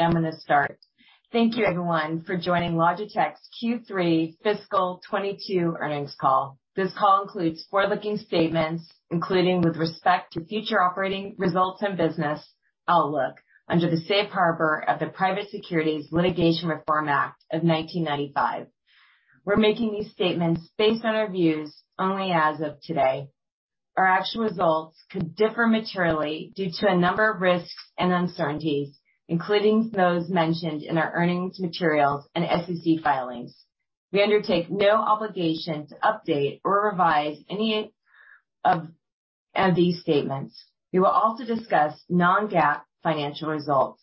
I'm gonna start. Thank you everyone for joining Logitech's Q3 fiscal 2022 earnings call. This call includes forward-looking statements, including with respect to future operating results and business outlook, under the safe harbor of the Private Securities Litigation Reform Act of 1995. We're making these statements based on our views only as of today. Our actual results could differ materially due to a number of risks and uncertainties, including those mentioned in our earnings materials and SEC filings. We undertake no obligation to update or revise any of these statements. We will also discuss non-GAAP financial results.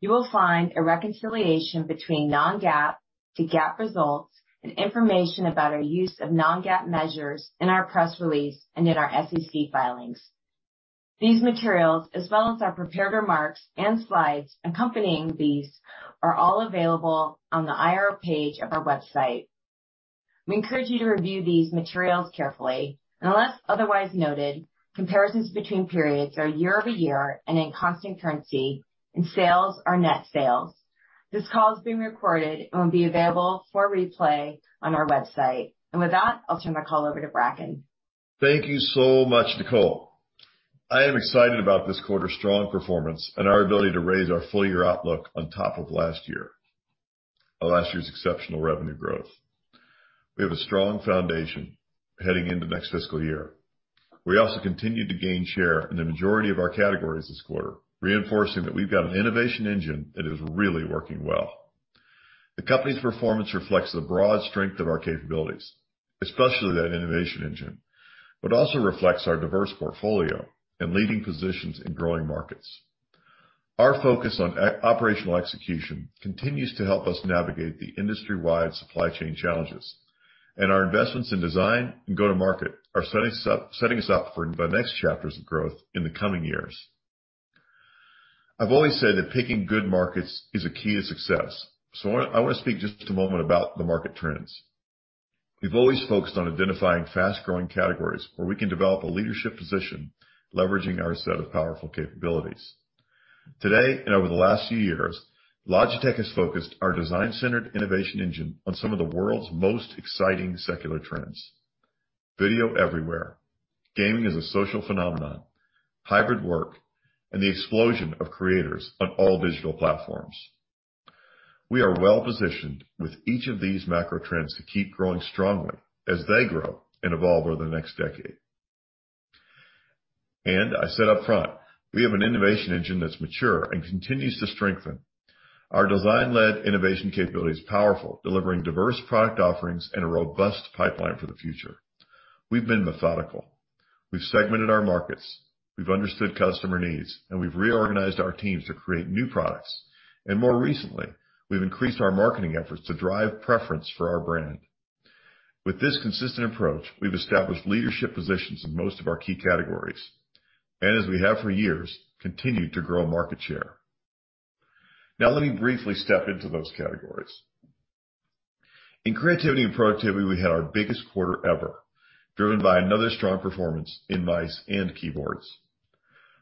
You will find a reconciliation between non-GAAP to GAAP results and information about our use of non-GAAP measures in our press release and in our SEC filings. These materials, as well as our prepared remarks and slides accompanying these, are all available on the IR page of our website. We encourage you to review these materials carefully. Unless otherwise noted, comparisons between periods are year-over-year and in constant currency, and sales are net sales. This call is being recorded and will be available for replay on our website. With that, I'll turn the call over to Bracken. Thank you so much, Nicole. I am excited about this quarter's strong performance and our ability to raise our full-year outlook on top of last year's exceptional revenue growth. We have a strong foundation heading into next fiscal year. We also continued to gain share in the majority of our categories this quarter, reinforcing that we've got an innovation engine that is really working well. The company's performance reflects the broad strength of our capabilities, especially that innovation engine, but also reflects our diverse portfolio and leading positions in growing markets. Our focus on operational execution continues to help us navigate the industry-wide supply chain challenges, and our investments in design and go-to-market are setting us up for the next chapters of growth in the coming years. I've always said that picking good markets is a key to success, so I wanna speak just a moment about the market trends. We've always focused on identifying fast-growing categories where we can develop a leadership position, leveraging our set of powerful capabilities. Today, and over the last few years, Logitech has focused our design-centered innovation engine on some of the world's most exciting secular trends. Video everywhere, gaming as a social phenomenon, hybrid work, and the explosion of creators on all digital platforms. We are well-positioned with each of these macro trends to keep growing strongly as they grow and evolve over the next decade. I said up front, we have an innovation engine that's mature and continues to strengthen. Our design-led innovation capability is powerful, delivering diverse product offerings and a robust pipeline for the future. We've been methodical. We've segmented our markets, we've understood customer needs, and we've reorganized our teams to create new products. More recently, we've increased our marketing efforts to drive preference for our brand. With this consistent approach, we've established leadership positions in most of our key categories, and as we have for years, continued to grow market share. Now, let me briefly step into those categories. In creativity and productivity, we had our biggest quarter ever, driven by another strong performance in mice and keyboards.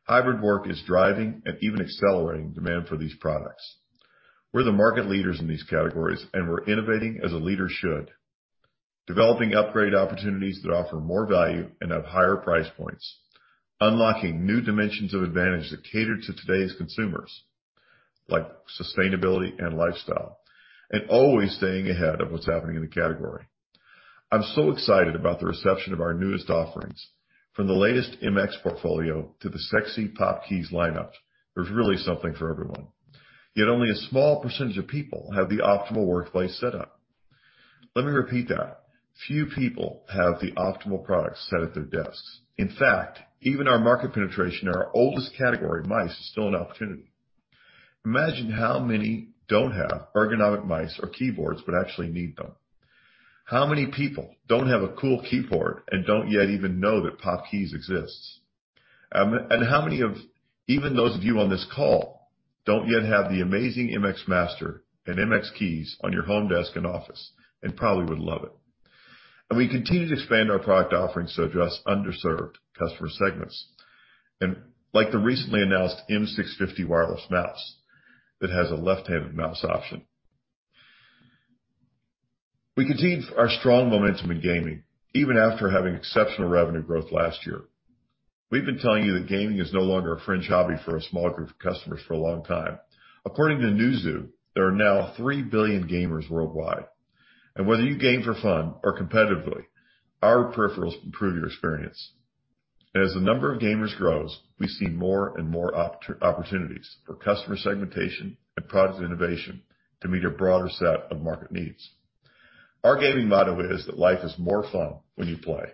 Hybrid work is driving and even accelerating demand for these products. We're the market leaders in these categories, and we're innovating as a leader should, developing upgrade opportunities that offer more value and have higher price points, unlocking new dimensions of advantage that cater to today's consumers, like sustainability and lifestyle, and always staying ahead of what's happening in the category. I'm so excited about the reception of our newest offerings, from the latest MX portfolio to the sexy POP Keys lineup. There's really something for everyone. Yet only a small percentage of people have the optimal workplace setup. Let me repeat that. Few people have the optimal products set at their desks. In fact, even our market penetration in our oldest category, mice, is still an opportunity. Imagine how many don't have ergonomic mice or keyboards, but actually need them. How many people don't have a cool keyboard and don't yet even know that POP Keys exists? How many of even those of you on this call don't yet have the amazing MX Master and MX Keys on your home desk and office, and probably would love it? We continue to expand our product offerings to address underserved customer segments, like the recently announced M650 wireless mouse that has a left-handed mouse option. We continued our strong momentum in gaming, even after having exceptional revenue growth last year. We've been telling you that gaming is no longer a fringe hobby for a small group of customers for a long time. According to Newzoo, there are now 3 billion gamers worldwide, and whether you game for fun or competitively, our peripherals improve your experience. As the number of gamers grows, we see more and more opportunities for customer segmentation and product innovation to meet a broader set of market needs. Our gaming motto is that life is more fun when you play,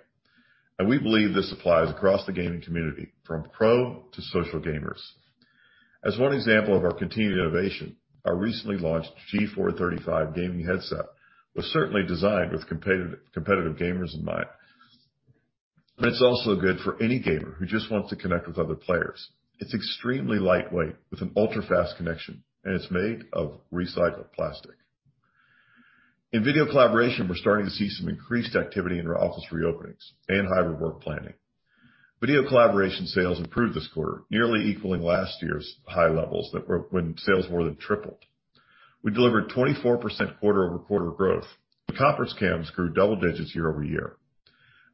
and we believe this applies across the gaming community from pro to social gamers. As one example of our continued innovation, our recently launched G435 gaming headset was certainly designed with competitive gamers in mind. It's also good for any gamer who just wants to connect with other players. It's extremely lightweight with an ultra-fast connection, and it's made of recycled plastic. In video collaboration, we're starting to see some increased activity in our office reopenings and hybrid work planning. Video collaboration sales improved this quarter, nearly equaling last year's high levels that were when sales more than tripled. We delivered 24% quarter-over-quarter growth. The conference cams grew double digits year-over-year.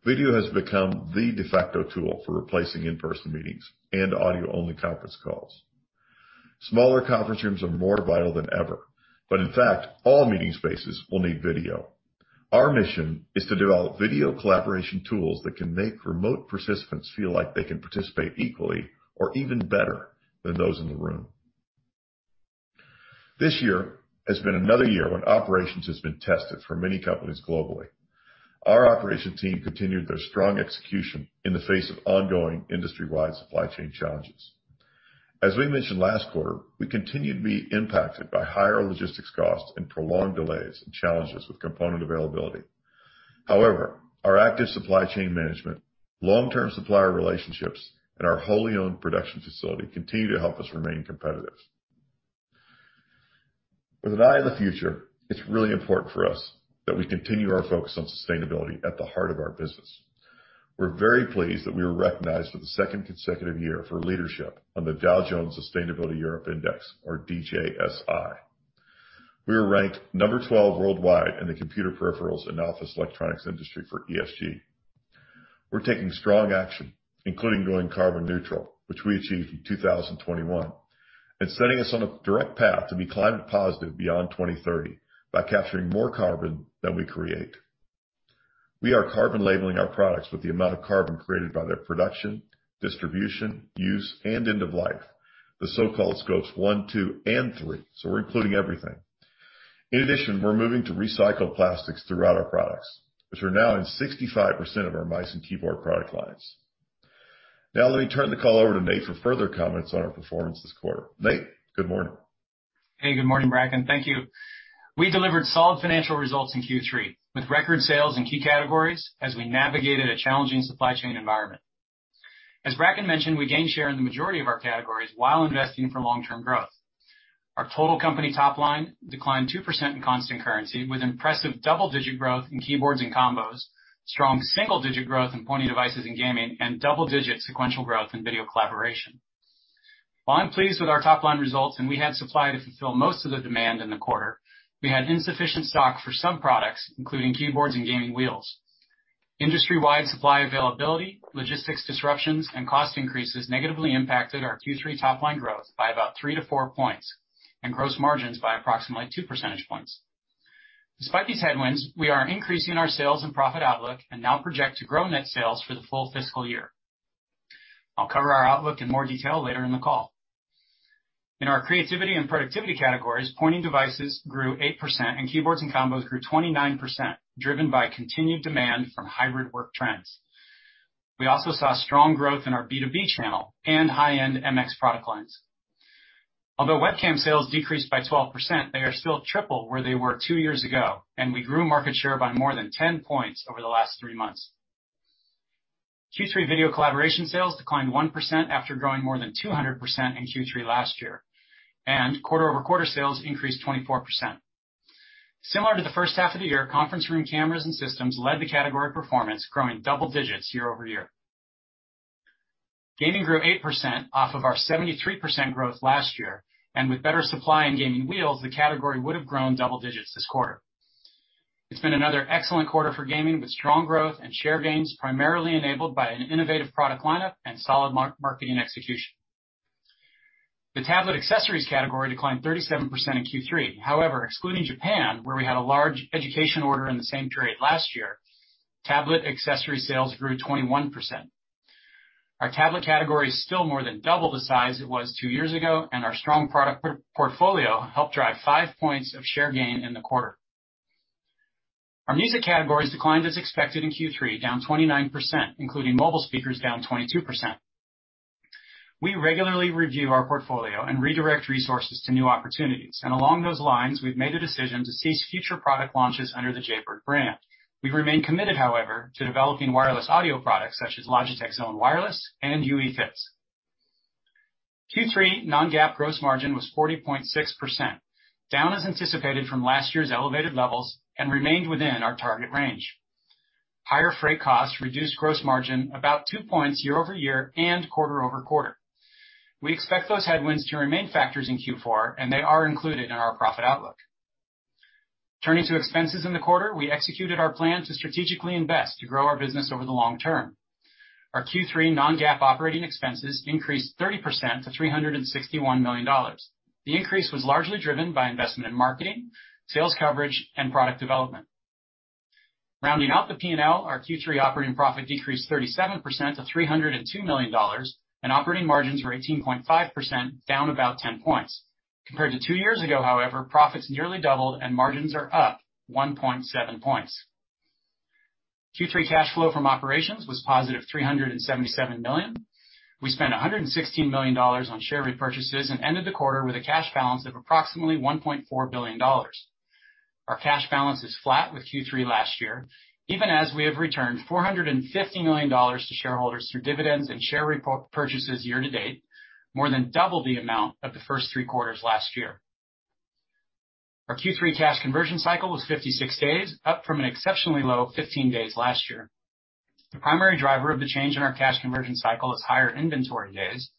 Video has become the de facto tool for replacing in-person meetings and audio-only conference calls. Smaller conference rooms are more vital than ever, but in fact, all meeting spaces will need video. Our mission is to develop video collaboration tools that can make remote participants feel like they can participate equally or even better than those in the room. This year has been another year when operations has been tested for many companies globally. Our operations team continued their strong execution in the face of ongoing industry-wide supply chain challenges. As we mentioned last quarter, we continue to be impacted by higher logistics costs and prolonged delays and challenges with component availability. However, our active supply chain management, long-term supplier relationships, and our wholly owned production facility continue to help us remain competitive. With an eye on the future, it's really important for us that we continue our focus on sustainability at the heart of our business. We're very pleased that we were recognized for the second consecutive year for leadership on the Dow Jones Sustainability Europe Index, or DJSI. We were ranked number 12 worldwide in the computer peripherals and office electronics industry for ESG. We're taking strong action, including going carbon neutral, which we achieved in 2021, and setting us on a direct path to be climate positive beyond 2030 by capturing more carbon than we create. We are carbon labeling our products with the amount of carbon created by their production, distribution, use, and end of life, the so-called Scopes 1, 2, and 3. We're including everything. In addition, we're moving to recycled plastics throughout our products, which are now in 65% of our mice and keyboard product lines. Now, let me turn the call over to Nate for further comments on our performance this quarter. Nate, good morning. Hey, good morning, Bracken. Thank you. We delivered solid financial results in Q3 with record sales in key categories as we navigated a challenging supply chain environment. As Bracken mentioned, we gained share in the majority of our categories while investing for long-term growth. Our total company top line declined 2% in constant currency, with impressive double-digit growth in keyboards and combos, strong single-digit growth in pointing devices and gaming, and double-digit sequential growth in video collaboration. While I'm pleased with our top-line results and we had supply to fulfill most of the demand in the quarter, we had insufficient stock for some products, including keyboards and gaming wheels. Industry-wide supply availability, logistics disruptions, and cost increases negatively impacted our Q3 top-line growth by about 3-4 points and gross margins by approximately 2 percentage points. Despite these headwinds, we are increasing our sales and profit outlook and now project to grow net sales for the full fiscal year. I'll cover our outlook in more detail later in the call. In our creativity and productivity categories, pointing devices grew 8% and keyboards and combos grew 29%, driven by continued demand from hybrid work trends. We also saw strong growth in our B2B channel and high-end MX product lines. Although webcam sales decreased by 12%, they are still triple where they were two years ago, and we grew market share by more than 10 points over the last three months. Q3 video collaboration sales declined 1% after growing more than 200% in Q3 last year, and quarter-over-quarter sales increased 24%. Similar to the first half of the year, conference room cameras and systems led the category performance, growing double digits year-over-year. Gaming grew 8% off of our 73% growth last year, and with better supply in gaming wheels, the category would have grown double digits this quarter. It's been another excellent quarter for gaming, with strong growth and share gains primarily enabled by an innovative product lineup and solid marketing and execution. The tablet accessories category declined 37% in Q3. However, excluding Japan, where we had a large education order in the same period last year, tablet accessory sales grew 21%. Our tablet category is still more than double the size it was two years ago, and our strong product portfolio helped drive 5 points of share gain in the quarter. Our music categories declined as expected in Q3, down 29%, including mobile speakers down 22%. We regularly review our portfolio and redirect resources to new opportunities, and along those lines, we've made the decision to cease future product launches under the Jaybird brand. We remain committed, however, to developing wireless audio products such as Logitech Zone Wireless and UE FITS. Q3 non-GAAP gross margin was 40.6%, down as anticipated from last year's elevated levels and remained within our target range. Higher freight costs reduced gross margin about 2 points year-over-year and quarter-over-quarter. We expect those headwinds to remain factors in Q4, and they are included in our profit outlook. Turning to expenses in the quarter, we executed our plan to strategically invest to grow our business over the long term. Our Q3 non-GAAP operating expenses increased 30% to $361 million. The increase was largely driven by investment in marketing, sales coverage, and product development. Rounding out the P&L, our Q3 operating profit decreased 37% to $302 million, and operating margins were 18.5%, down about 10 points. Compared to two years ago, however, profits nearly doubled and margins are up 1.7 points. Q3 cash flow from operations was positive $377 million. We spent $116 million on share repurchases and ended the quarter with a cash balance of approximately $1.4 billion. Our cash balance is flat with Q3 last year, even as we have returned $450 million to shareholders through dividends and share repurchases year-to-date, more than double the amount of the first three quarters last year. Our Q3 cash conversion cycle was 56 days, up from an exceptionally low 15 days last year. The primary driver of the change in our cash conversion cycle is higher inventory days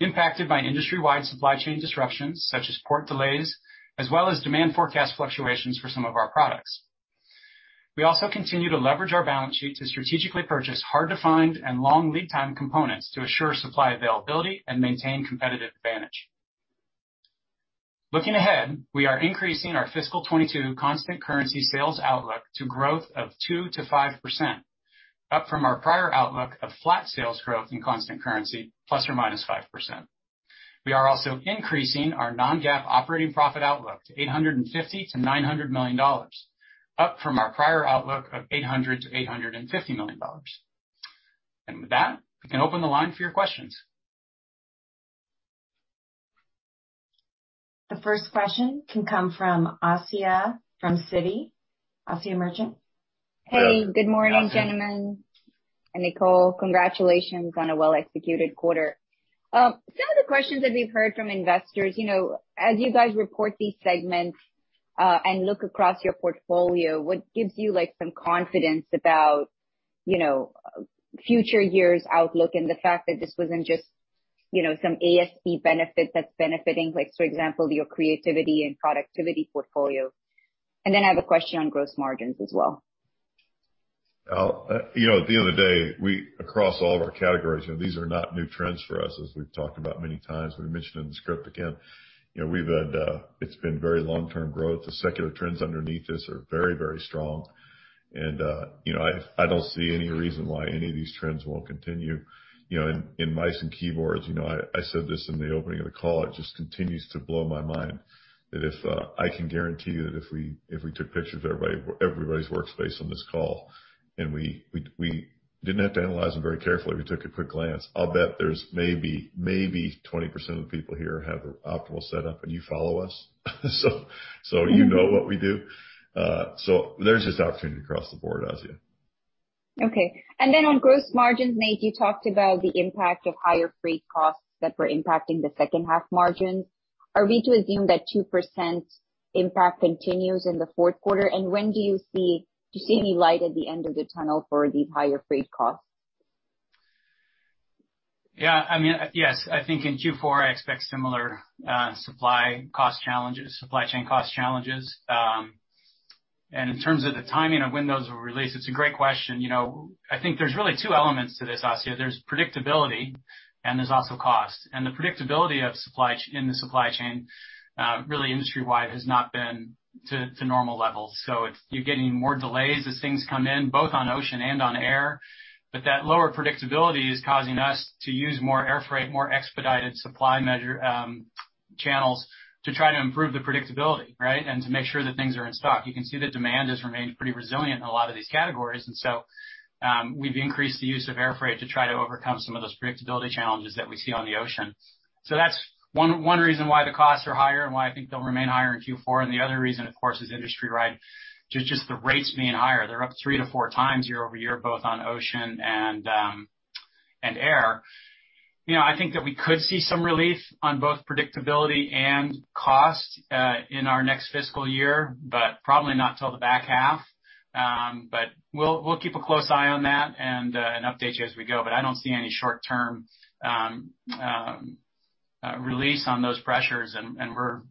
impacted by industry-wide supply chain disruptions such as port delays, as well as demand forecast fluctuations for some of our products. We also continue to leverage our balance sheet to strategically purchase hard to find and long lead time components to assure supply availability and maintain competitive advantage. Looking ahead, we are increasing our FY 2022 constant currency sales outlook to growth of 2%-5%, up from our prior outlook of flat sales growth in constant currency ±5%. We are also increasing our non-GAAP operating profit outlook to $850 million-$900 million, up from our prior outlook of $800 million-$850 million. With that, we can open the line for your questions. The first question can come from Asiya from Citi. Asiya Merchant. Hey, good morning, gentlemen and Nicole. Congratulations on a well-executed quarter. Some of the questions that we've heard from investors, you know, as you guys report these segments, and look across your portfolio, what gives you, like, some confidence about, you know, future years outlook and the fact that this wasn't just, you know, some ASP benefit that's benefiting, like for example, your creativity and productivity portfolio. Then I have a question on gross margins as well. You know, at the end of the day, across all of our categories, you know, these are not new trends for us as we've talked about many times. We mentioned in the script again, you know, we've had, it's been very long-term growth. The secular trends underneath this are very, very strong. You know, I don't see any reason why any of these trends won't continue. You know, in mice and keyboards, you know, I said this in the opening of the call, it just continues to blow my mind that if I can guarantee you that if we took pictures of everybody's workspace on this call, and we didn't have to analyze them very carefully, we took a quick glance. I'll bet there's maybe 20% of the people here have an optimal setup, and you follow us, so you know what we do. There's just opportunity across the board, Asiya. Okay. On gross margins, Nate, you talked about the impact of higher freight costs that were impacting the second half margins. Are we to assume that 2% impact continues in the fourth quarter? When do you see any light at the end of the tunnel for these higher freight costs? Yeah, I mean, yes. I think in Q4, I expect similar supply cost challenges, supply chain cost challenges. In terms of the timing of when those will release, it's a great question. You know, I think there's really two elements to this, Asiya. There's predictability, and there's also cost. The predictability of supply chain, really industry-wide has not been to normal levels. You're getting more delays as things come in, both on ocean and on air. That lower predictability is causing us to use more air freight, more expedited supply measure channels to try to improve the predictability, right? To make sure that things are in stock. You can see that demand has remained pretty resilient in a lot of these categories. We've increased the use of air freight to try to overcome some of those predictability challenges that we see on the ocean. That's one reason why the costs are higher and why I think they'll remain higher in Q4. The other reason, of course, is industry-wide, just the rates being higher. They're up 3x-4x year-over-year, both on ocean and air. You know, I think that we could see some relief on both predictability and cost in our next fiscal year, but probably not till the back half. We'll keep a close eye on that and update you as we go. I don't see any short-term release on those pressures.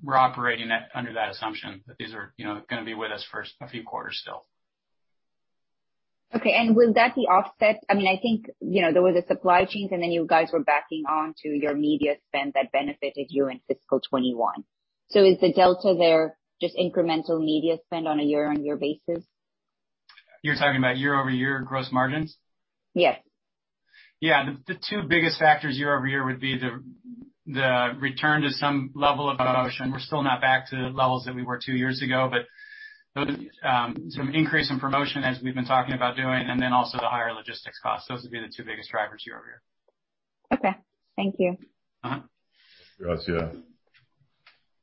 We're operating under that assumption that these are, you know, gonna be with us for a few quarters still. Okay. Will that be offset? I mean, I think, you know, there were the supply chains, and then you guys were banking on your media spend that benefited you in fiscal 2021. Is the delta there just incremental media spend on a year-on-year basis? You're talking about year-over-year gross margins? Yes. Yeah. The two biggest factors year-over-year would be the return to some level of promotion. We're still not back to levels that we were two years ago, but some increase in promotion as we've been talking about doing and then also the higher logistics costs. Those would be the two biggest drivers year-over-year. Okay. Thank you. Uh-huh. Thanks, Asiya.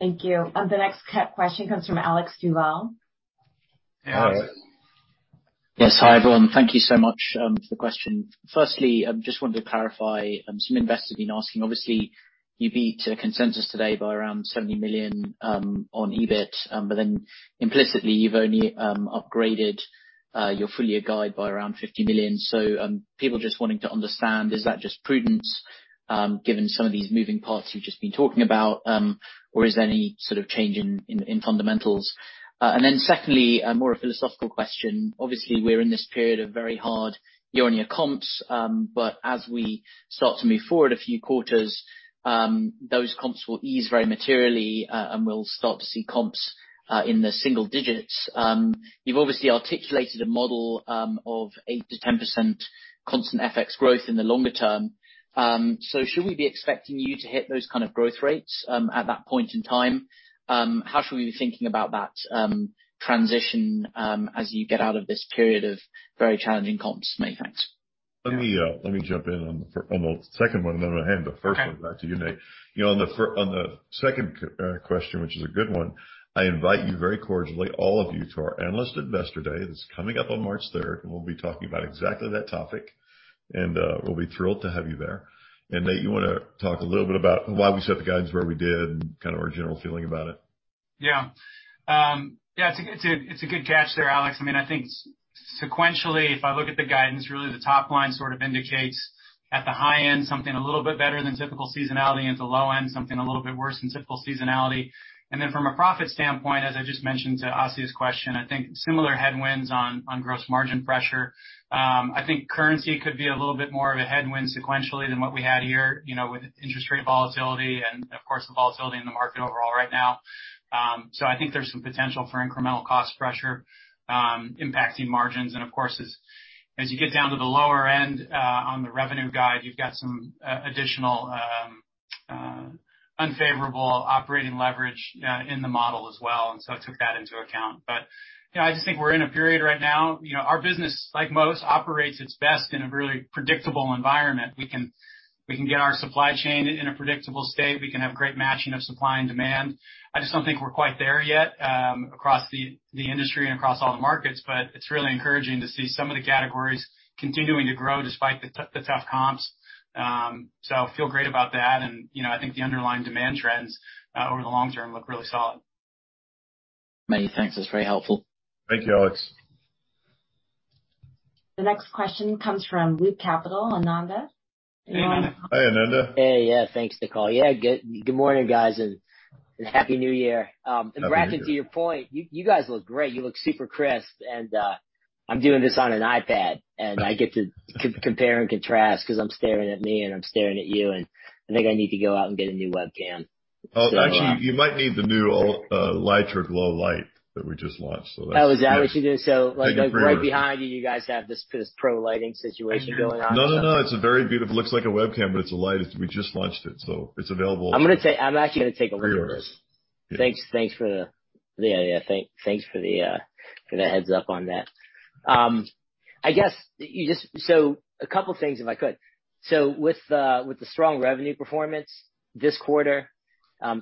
Thank you. The next question comes from Alex Duval. Hey, Alex. Yes, hi, everyone. Thank you so much for the question. Firstly, just wanted to clarify, some investors have been asking, obviously, you beat a consensus today by around $70 million on EBIT, but then implicitly, you've only upgraded your full year guide by around $50 million. People just wanting to understand, is that just prudence, given some of these moving parts you've just been talking about, or is there any sort of change in fundamentals? And then secondly, a more philosophical question. Obviously, we're in this period of very hard year-on-year comps, but as we start to move forward a few quarters, those comps will ease very materially, and we'll start to see comps in the single digits. You've obviously articulated a model of 8%-10% constant FX growth in the longer term. Should we be expecting you to hit those kind of growth rates at that point in time? How should we be thinking about that transition as you get out of this period of very challenging comps? Nate, thanks. Let me jump in on the second one, and then I'll hand the first one back to you, Nate. Okay. You know, on the second question, which is a good one, I invite you very cordially, all of you, to our Analyst & Investor Day. That's coming up on March 3rd and we'll be talking about exactly that topic. We'll be thrilled to have you there. Nate, you wanna talk a little bit about why we set the guidance where we did and kind of our general feeling about it? Yeah, it's a good catch there, Alex. I mean, I think sequentially, if I look at the guidance, really the top line sort of indicates at the high end something a little bit better than typical seasonality. At the low end, something a little bit worse than typical seasonality. From a profit standpoint, as I just mentioned to Asiya's question, I think similar headwinds on gross margin pressure. I think currency could be a little bit more of a headwind sequentially than what we had here, you know, with interest rate volatility and of course, the volatility in the market overall right now. I think there's some potential for incremental cost pressure impacting margins. Of course, as you get down to the lower end on the revenue guide, you've got some additional unfavorable operating leverage in the model as well, and so took that into account. You know, I just think we're in a period right now, you know, our business, like most, operates its best in a really predictable environment. We can get our supply chain in a predictable state. We can have great matching of supply and demand. I just don't think we're quite there yet across the industry and across all the markets. It's really encouraging to see some of the categories continuing to grow despite the tough comps. So feel great about that. You know, I think the underlying demand trends over the long term look really solid. Nate, thanks. That's very helpful. Thank you, Alex. The next question comes from Loop Capital, Ananda. Hey, Ananda. Hey, yeah. Thanks, Nicole. Yeah, good morning, guys, and Happy New Year. Bracken, to your point, you guys look great. You look super crisp, and I'm doing this on an iPad, and I get to compare and contrast 'cause I'm staring at me and I'm staring at you, and I think I need to go out and get a new webcam. Oh, actually you might need the new Litra Glow light that we just launched. Oh, is that what you do? Like right behind you guys have this pro lighting situation going on. No, no. It looks like a webcam, but it's a light. We just launched it, so it's available. I'm actually gonna take a look at this. For real. Yeah. Thanks for the heads up on that. Yeah. A couple things if I could. With the strong revenue performance this quarter,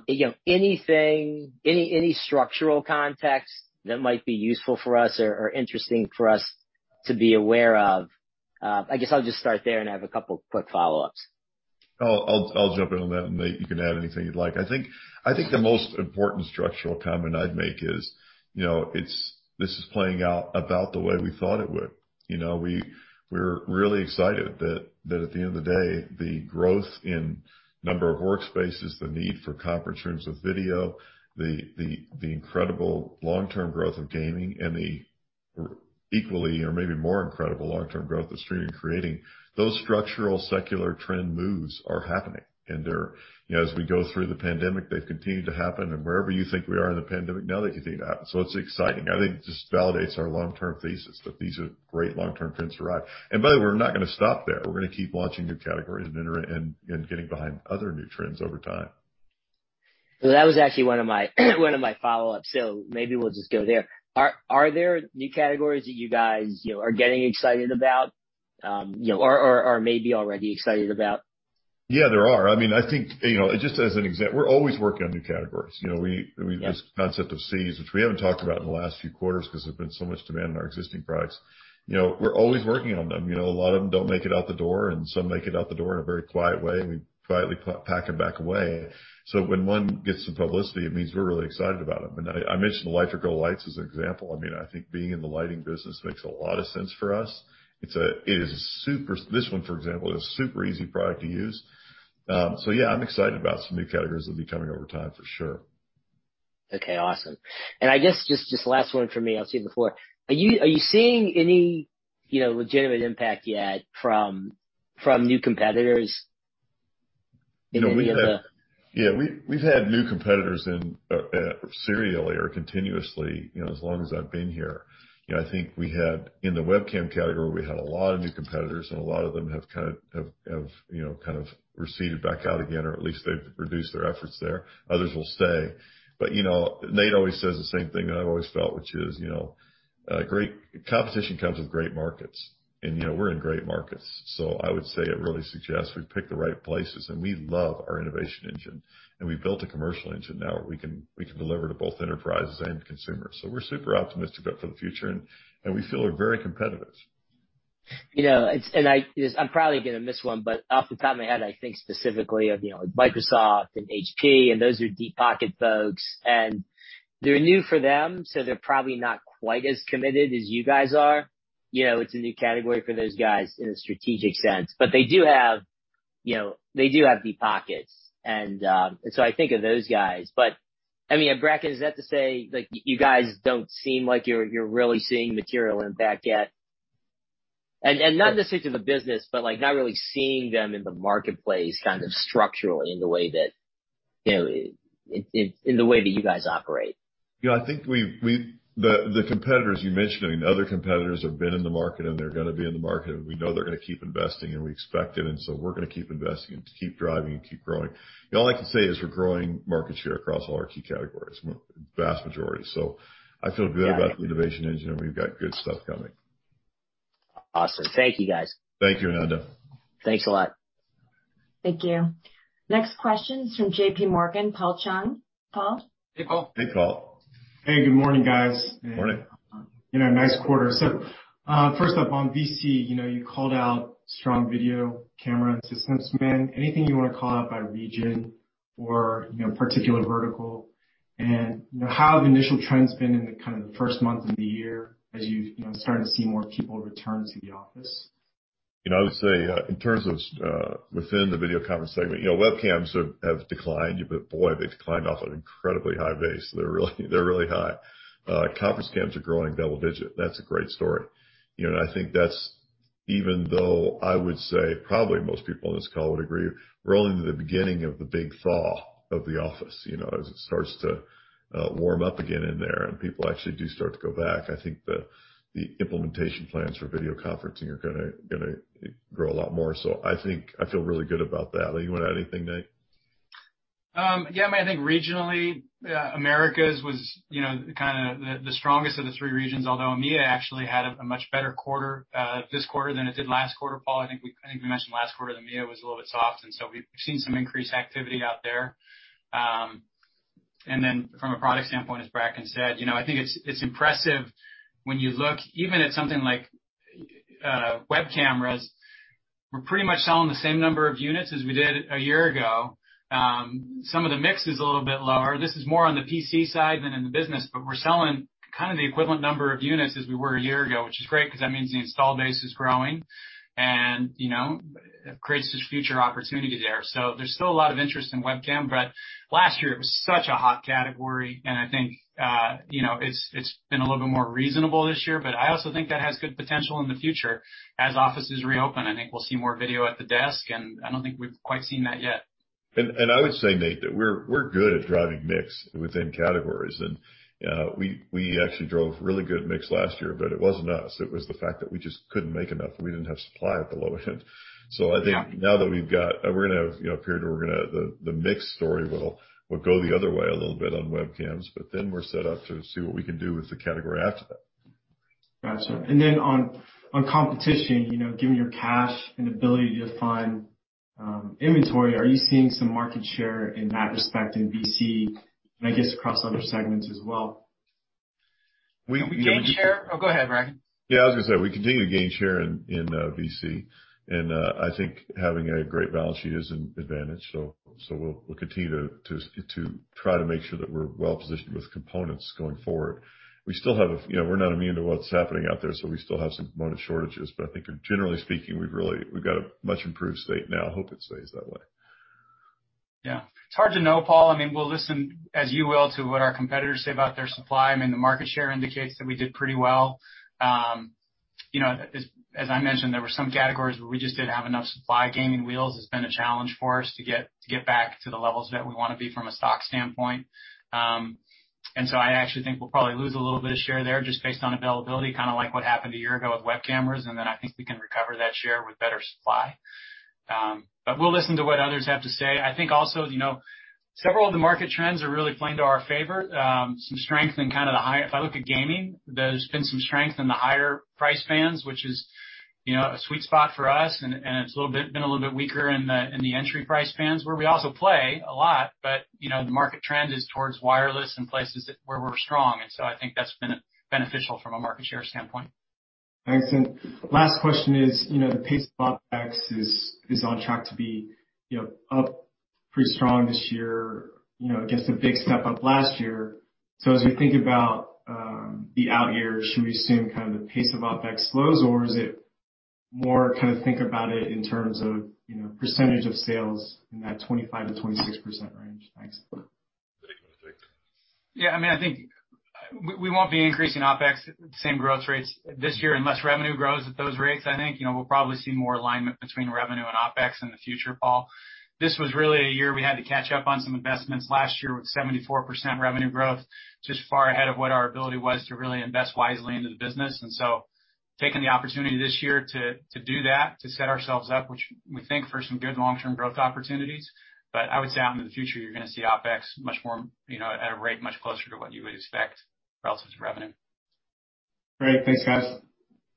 you know, anything, any structural context that might be useful for us or interesting for us to be aware of? I guess I'll just start there and have a couple quick follow-ups. I'll jump in on that, and then you can add anything you'd like. I think the most important structural comment I'd make is, you know, it's this is playing out about the way we thought it would. You know, we're really excited that at the end of the day, the growth in number of workspaces, the need for conference rooms with video, the incredible long-term growth of gaming and the equally or maybe more incredible long-term growth of streaming and creating, those structural secular trend moves are happening. They're, you know, as we go through the pandemic, they've continued to happen. Wherever you think we are in the pandemic now that you think that. It's exciting. I think it just validates our long-term thesis that these are great long-term trends to ride. By the way, we're not gonna stop there. We're gonna keep launching new categories and getting behind other new trends over time. That was actually one of my follow-ups. Maybe we'll just go there. Are there new categories that you guys, you know, are getting excited about, you know, or maybe already excited about? Yeah, there are. I mean, I think, you know, just as an example. We're always working on new categories. You know, we, I mean, this concept of Cs, which we haven't talked about in the last few quarters because there's been so much demand in our existing products. You know, we're always working on them. You know, a lot of them don't make it out the door, and some make it out the door in a very quiet way, and we quietly pack them back away. So when one gets some publicity, it means we're really excited about them. I mentioned the Litra Glow lights as an example. I mean, I think being in the lighting business makes a lot of sense for us. This one, for example, is a super easy product to use. I'm excited about some new categories that'll be coming over time for sure. Okay, awesome. I guess just last one for me, I'll save the floor. Are you seeing any, you know, legitimate impact yet from new competitors in any of the- We've had new competitors in serially or continuously, you know, as long as I've been here. You know, I think in the webcam category, we had a lot of new competitors, and a lot of them have kind of, you know, kind of receded back out again, or at least they've reduced their efforts there. Others will stay. You know, Nate always says the same thing that I've always felt, which is, you know, great competition comes with great markets, and, you know, we're in great markets. I would say it really suggests we've picked the right places and we love our innovation engine. We've built a commercial engine now where we can deliver to both enterprises and consumers. We're super optimistic about for the future, and we feel we're very competitive. You know, I'm probably gonna miss one, but off the top of my head, I think specifically of, you know, Microsoft and HP, and those are deep pocket folks, and they're new for them, so they're probably not quite as committed as you guys are. You know, it's a new category for those guys in a strategic sense. They do have, you know, deep pockets and so I think of those guys. I mean, Bracken, is that to say, like, you guys don't seem like you're really seeing material impact yet? Not necessarily the business, but like not really seeing them in the marketplace kind of structurally in the way that, you know, in the way that you guys operate. You know, I think the competitors you mentioned, I mean, the other competitors have been in the market and they're gonna be in the market and we know they're gonna keep investing and we expect it, and so we're gonna keep investing and to keep driving and keep growing. All I can say is we're growing market share across all our key categories, vast majority. I feel good about the innovation engine, and we've got good stuff coming. Awesome. Thank you, guys. Thank you, Ananda. Thanks a lot. Thank you. Next question is from JPMorgan, Paul Chung. Paul? Hey, Paul. Hey, Paul. Hey, good morning, guys. Morning. You know, nice quarter. First up on VC, you know, you called out strong video camera systems. I mean, anything you wanna call out by region or, you know, particular vertical? You know, how have initial trends been in the kind of the first month of the year as you know, starting to see more people return to the office? You know, I would say, in terms of, within the video conference segment, you know, webcams have declined, but boy, they've declined off an incredibly high base. They're really high. Conference cams are growing double-digit. That's a great story. You know, and I think that's even though I would say probably most people on this call would agree, we're only in the beginning of the big thaw of the office. You know, as it starts to warm up again in there, and people actually do start to go back, I think the implementation plans for video conferencing are gonna grow a lot more. So I think I feel really good about that. You wanna add anything, Nate? Yeah, I mean, I think regionally, Americas was, you know, kinda the strongest of the three regions, although EMEA actually had a much better quarter this quarter than it did last quarter, Paul. I think we mentioned last quarter that EMEA was a little bit soft, and so we've seen some increased activity out there. Then from a product standpoint, as Bracken said, you know, I think it's impressive when you look even at something like web cameras. We're pretty much selling the same number of units as we did a year ago. Some of the mix is a little bit lower. This is more on the PC side than in the business, but we're selling kind of the equivalent number of units as we were a year ago, which is great because that means the install base is growing and, you know, creates this future opportunity there. So there's still a lot of interest in webcam, but last year it was such a hot category, and I think, you know, it's been a little bit more reasonable this year. But I also think that has good potential in the future. As offices reopen, I think we'll see more video at the desk, and I don't think we've quite seen that yet. I would say, Nate, that we're good at driving mix within categories. We actually drove really good mix last year, but it wasn't us. It was the fact that we just couldn't make enough. We didn't have supply at the low end. I think. Yeah. Now that we've got, we're gonna have, you know, a period where the mix story will go the other way a little bit on webcams, but then we're set up to see what we can do with the category after that. Gotcha. On competition, you know, given your cash and ability to find inventory, are you seeing some market share in that respect in VC, and I guess across other segments as well? We We gained share. Oh, go ahead, Bracken. Yeah, I was gonna say, we continue to gain share in VC. I think having a great balance sheet is an advantage. We'll continue to try to make sure that we're well-positioned with components going forward. We still have, you know, we're not immune to what's happening out there, so we still have some component shortages. But I think generally speaking, we've got a much improved state now. I hope it stays that way. Yeah. It's hard to know, Paul. I mean, we'll listen, as you will, to what our competitors say about their supply. I mean, the market share indicates that we did pretty well. You know, as I mentioned, there were some categories where we just didn't have enough supply. Gaming wheels has been a challenge for us to get back to the levels that we wanna be from a stock standpoint. I actually think we'll probably lose a little bit of share there just based on availability, kinda like what happened a year ago with web cameras, and then I think we can recover that share with better supply. But we'll listen to what others have to say. I think also, you know, several of the market trends are really playing to our favor. Some strength in kind of the higher... If I look at gaming, there's been some strength in the higher price bands, which is, you know, a sweet spot for us. It's been a little bit weaker in the entry price bands where we also play a lot, but, you know, the market trend is towards wireless and where we're strong. I think that's been beneficial from a market share standpoint. Thanks. Last question is, you know, the pace of OpEx is on track to be, you know, up pretty strong this year, you know, against a big step-up last year. As we think about the out years, should we assume kind of the pace of OpEx slows, or is it more kind of think about it in terms of, you know, percentage of sales in that 25%-26% range? Thanks. Yeah, I mean, I think we won't be increasing OpEx same growth rates this year unless revenue grows at those rates. I think, you know, we'll probably see more alignment between revenue and OpEx in the future, Paul. This was really a year we had to catch up on some investments last year with 74% revenue growth, just far ahead of what our ability was to really invest wisely into the business. Taking the opportunity this year to do that, to set ourselves up, which we think for some good long-term growth opportunities. I would say out into the future, you're gonna see OpEx much more, you know, at a rate much closer to what you would expect relative to revenue. Great. Thanks, guys.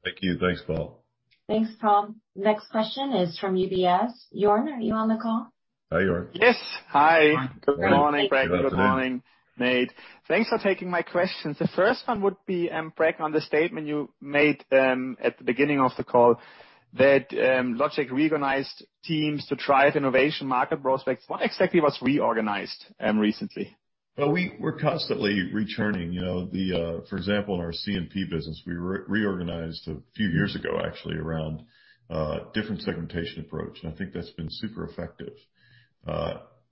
Thank you. Thanks, Paul. Thanks, Paul. Next question is from UBS. Joern, are you on the call? Hi, Joern. Yes. Hi. Hi. Good morning, Bracken. Good morning, Nate. Thanks for taking my questions. The first one would be, Bracken, on the statement you made at the beginning of the call that Logitech reorganized teams to drive innovation market prospects. What exactly was reorganized recently? Well, we're constantly returning. You know, for example, in our C&P business, we reorganized a few years ago, actually, around a different segmentation approach, and I think that's been super effective.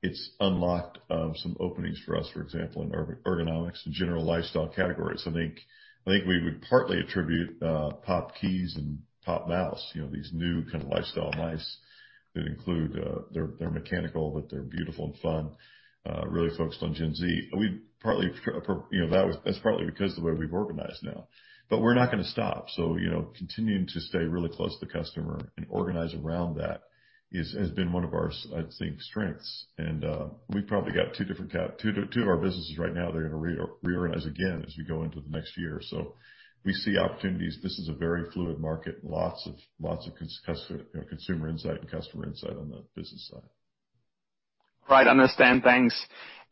It's unlocked some openings for us, for example, in ergonomics and general lifestyle categories. I think we would partly attribute POP Keys and POP Mouse, you know, these new kind of lifestyle mice that include, they're mechanical, but they're beautiful and fun, really focused on Gen Z. We partly, you know, that's partly because the way we've organized now. We're not gonna stop. You know, continuing to stay really close to the customer and organize around that has been one of our, I'd say, strengths. We've probably got two of our businesses right now that are gonna reorganize again as we go into the next year. We see opportunities. This is a very fluid market, lots of customer, you know, consumer insight and customer insight on the business side. Right. Understand. Thanks.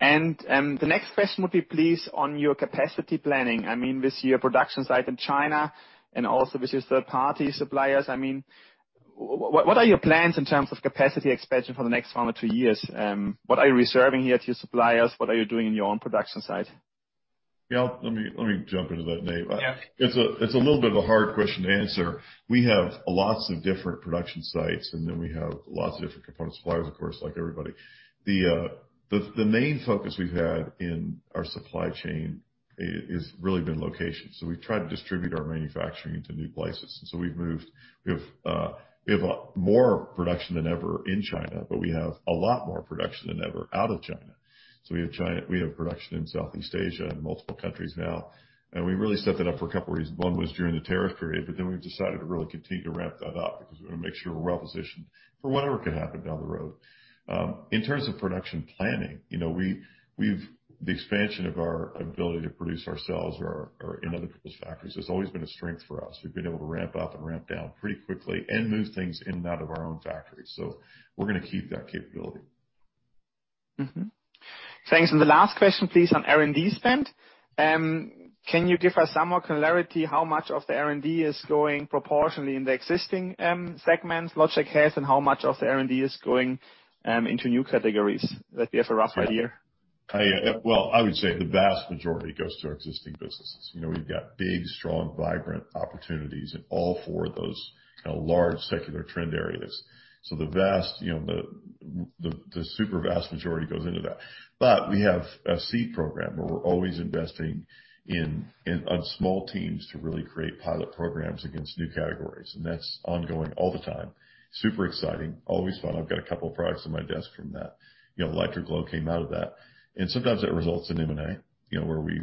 The next question would be, please, on your capacity planning, I mean with your production site in China and also with your third-party suppliers, I mean, what are your plans in terms of capacity expansion for the next one or two years? What are you reserving here to your suppliers? What are you doing in your own production site? Yeah. Let me jump into that, Nate. Yeah. It's a little bit of a hard question to answer. We have lots of different production sites, and then we have lots of different component suppliers, of course, like everybody. The main focus we've had in our supply chain is really been location. We've tried to distribute our manufacturing into new places. We've moved. We have more production than ever in China, but we have a lot more production than ever out of China. We have production in Southeast Asia and multiple countries now. We really set that up for a couple of reasons. One was during the tariff period, but then we decided to really continue to ramp that up because we wanna make sure we're well positioned for whatever can happen down the road. In terms of production planning, you know, the expansion of our ability to produce ourselves or in other people's factories has always been a strength for us. We've been able to ramp up and ramp down pretty quickly and move things in and out of our own factories. We're gonna keep that capability. Mm-hmm. Thanks. The last question, please, on R&D spend. Can you give us some more clarity how much of the R&D is going proportionally in the existing segments Logi has, and how much of the R&D is going into new categories? Like do you have a rough idea? Yeah. I well, I would say the vast majority goes to our existing businesses. You know, we've got big, strong, vibrant opportunities in all four of those kind of large secular trend areas. The super vast majority goes into that. We have a seed program where we're always investing in small teams to really create pilot programs against new categories. That's ongoing all the time. Super exciting. Always fun. I've got a couple of products on my desk from that. You know, Litra Glow came out of that. Sometimes it results in M&A, you know, where we